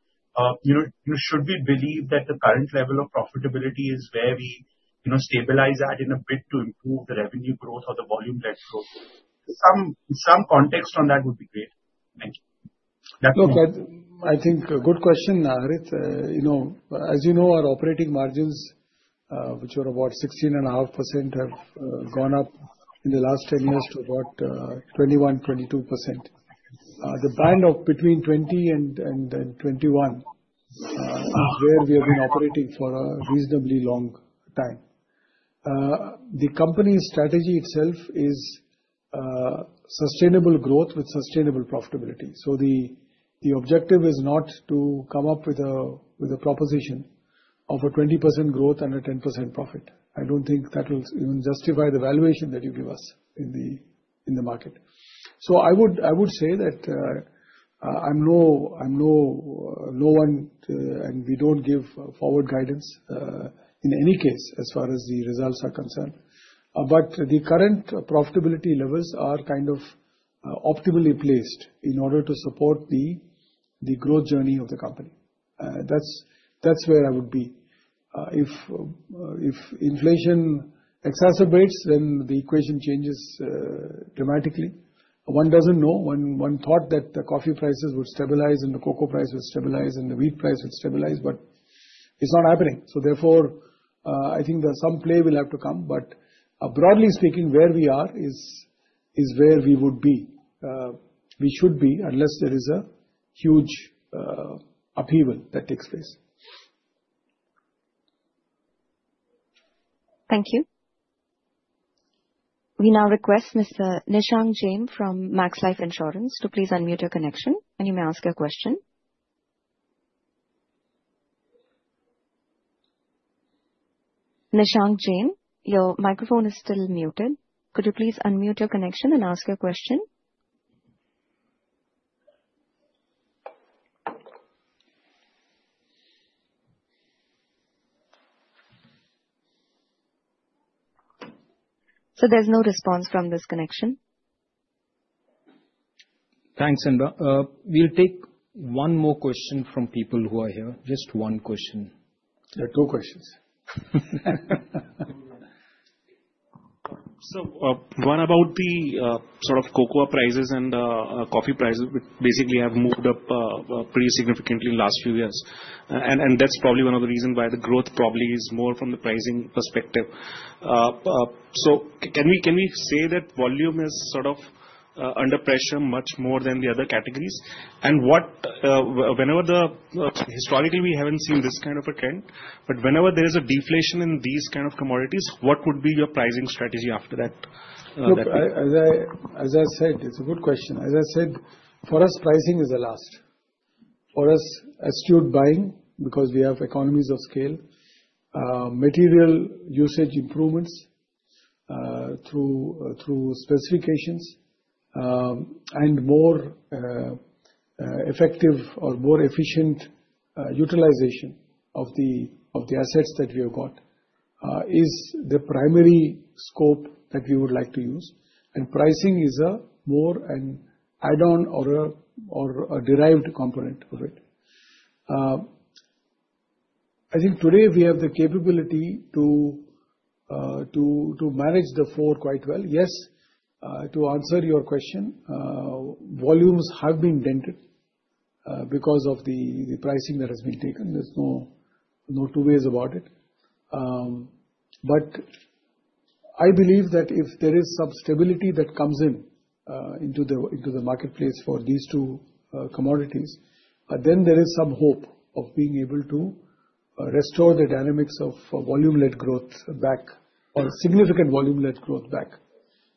You know, should we believe that the current level of profitability is where we, you know, stabilize at, in a bit to improve the revenue growth or the volume growth? Some context on that would be great. Thank you. Look, I think a good question, Harit. You know, as you know, our operating margins, which were about 16.5%, have gone up in the last 10 years to about 21%-22%. The band of between 20% and 21% is where we have been operating for a reasonably long time. The company's strategy itself is sustainable growth with sustainable profitability. The objective is not to come up with a proposition of a 20% growth and a 10% profit. I don't think that will even justify the valuation that you give us in the market. I would say that, I'm low, low on, and we don't give forward guidance, in any case, as far as the results are concerned. The current profitability levels are kind of optimally placed in order to support the growth journey of the company. That's where I would be. If inflation exacerbates, then the equation changes dramatically. One doesn't know, one thought that the coffee prices would stabilize and the cocoa prices would stabilize, and the wheat price would stabilize, but it's not happening. Therefore, I think that some play will have to come, but, broadly speaking, where we are is where we would be, we should be, unless there is a huge upheaval that takes place. Thank you. We now request Mr. Nishank Jain from Max Life Insurance to please unmute your connection, and you may ask your question. Nishank Jain, your microphone is still muted. Could you please unmute your connection and ask your question? There's no response from this connection. Thanks, Inba. We'll take one more question from people who are here. Just one question. Yeah, two questions. One about the sort of cocoa prices and coffee prices, which basically have moved up pretty significantly in last few years. That's probably one of the reasons why the growth probably is more from the pricing perspective. Can we, can we say that volume is sort of under pressure much more than the other categories? What? Whenever the Historically, we haven't seen this kind of a trend, but whenever there is a deflation in these kind of commodities, what would be your pricing strategy after that? Look, as I said, it's a good question. As I said, for us, pricing is the last. For us, astute buying, because we have economies of scale, material usage improvements, through specifications, and more, effective or more efficient, utilization of the assets that we have got, is the primary scope that we would like to use. Pricing is a more an add-on or a derived component of it. I think today we have the capability to manage the four quite well. Yes, to answer your question, volumes have been dented, because of the pricing that has been taken. There's no two ways about it. I believe that if there is some stability that comes in into the marketplace for these two commodities, then there is some hope of being able to restore the dynamics of volume-led growth back, or significant volume-led growth back.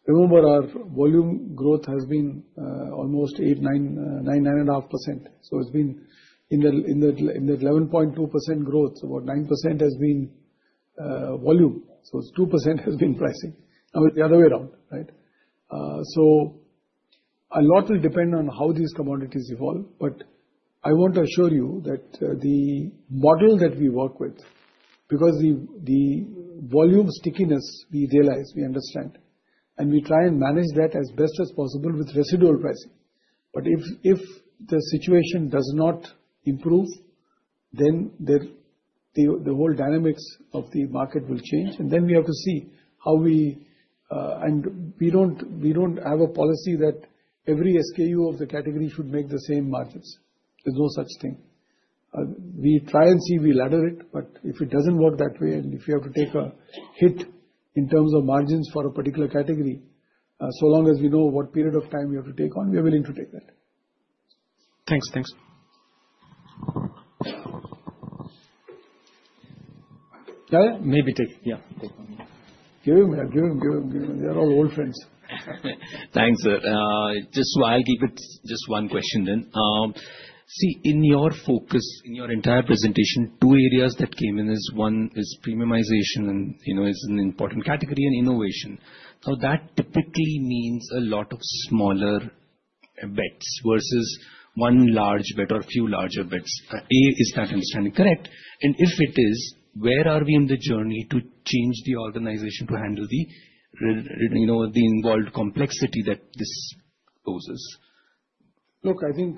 Remember, our volume growth has been almost 9.5%, so it's been in the 11.2% growth, about 9% has been volume, so it's 2% has been pricing. I mean, the other way around, right? A lot will depend on how these commodities evolve, I want to assure you that the model that we work with, because the volume stickiness, we realize, we understand, and we try and manage that as best as possible with residual pricing. If the situation does not improve, then the whole dynamics of the market will change, and then we have to see how we. We don't have a policy that every SKU of the category should make the same margins. There's no such thing. We try and see, we ladder it, but if it doesn't work that way, and if you have to take a hit in terms of margins for a particular category, so long as we know what period of time we have to take on, we are willing to take that. Thanks. Thanks. May I? Maybe take, yeah. Give him, give him, give him, give him. They're all old friends. Thanks, sir. I'll keep it just one question then. See, in your focus, in your entire presentation, two areas that came in is, one is premiumization, and, you know, is an important category, and innovation. That typically means a lot of smaller bets versus one large bet or a few larger bets. A, is that understanding correct? If it is, where are we in the journey to change the organization to handle the, you know, the involved complexity that this poses? Look, I think,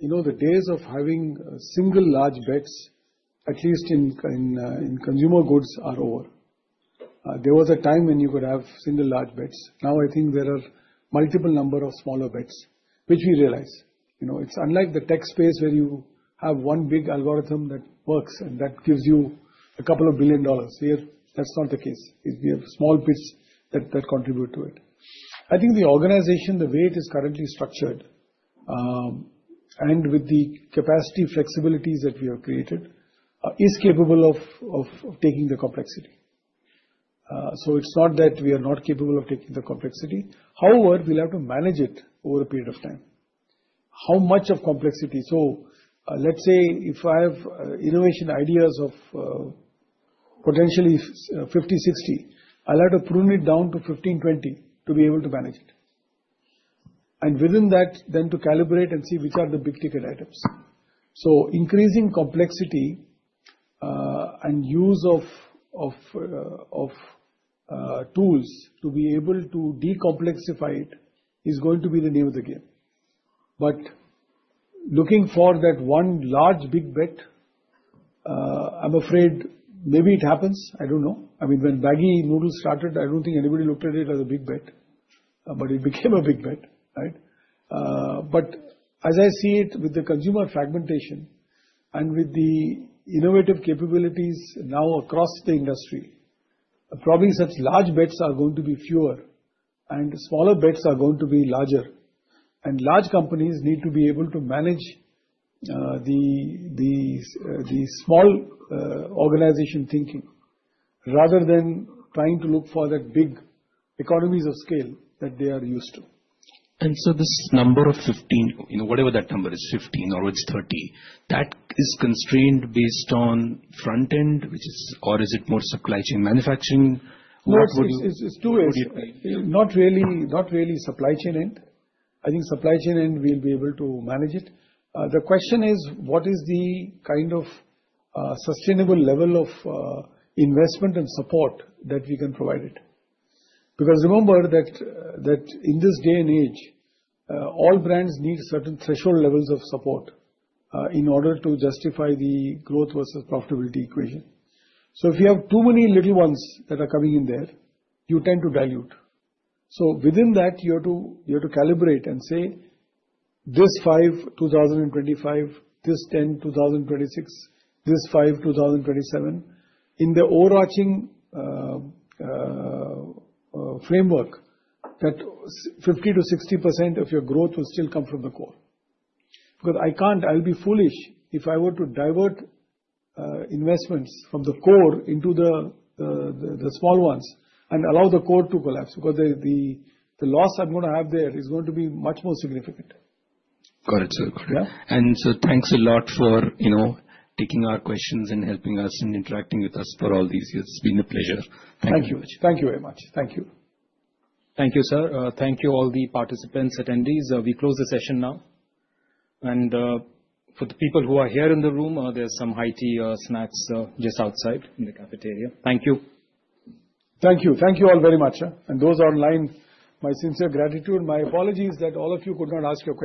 you know, the days of having single large bets, at least in consumer goods, are over. There was a time when you could have single large bets. Now, I think there are multiple number of smaller bets, which we realize. You know, it's unlike the tech space where you have one big algorithm that works, and that gives you a couple of billion dollars. Here, that's not the case. It's we have small bits that contribute to it. I think the organization, the way it is currently structured, and with the capacity flexibilities that we have created, is capable of taking the complexity. So it's not that we are not capable of taking the complexity. However, we'll have to manage it over a period of time. How much of complexity? Let's say if I have innovation ideas of, potentially, 50, 60, I'll have to prune it down to 15, 20 to be able to manage it. Within that, then to calibrate and see which are the big-ticket items. Increasing complexity, and use of tools to be able to decomplexify it, is going to be the name of the game. Looking for that one large, big bet, I'm afraid maybe it happens, I don't know. I mean, when Maggi noodles started, I don't think anybody looked at it as a big bet, but it became a big bet, right? As I see it, with the consumer fragmentation and with the innovative capabilities now across the industry, probably such large bets are going to be fewer and smaller bets are going to be larger. Large companies need to be able to manage the small organization thinking, rather than trying to look for that big economies of scale that they are used to. This number of 15, you know, whatever that number is, 15 or it's 30, that is constrained based on front end, which is... Or is it more supply chain manufacturing? What would you- No, it's two ways. Not really supply chain end. I think supply chain end, we'll be able to manage it. The question is: What is the kind o sustainable level of investment and support that we can provide it? Remember that in this day and age, all brands need certain threshold levels of support in order to justify the growth versus profitability equation. If you have too many little ones that are coming in there, you tend to dilute. Within that, you have to calibrate and say, "This five, 2025, this 10, 2026, this five, 2027." In the overarching framework, 50%-60% of your growth will still come from the core. I'll be foolish if I were to divert investments from the core into the small ones and allow the core to collapse, because the loss I'm gonna have there is going to be much more significant. Got it, sir. Yeah. Thanks a lot for, you know, taking our questions and helping us and interacting with us through all these years. It's been a pleasure. Thank you. Thank you very much. Thank you. Thank you, sir. Thank you all the participants, attendees. We close the session now. For the people who are here in the room, there's some high tea, snacks, just outside in the cafeteria. Thank you. Thank you. Thank you all very much. Those online, my sincere gratitude. My apologies that all of you could not ask your questions.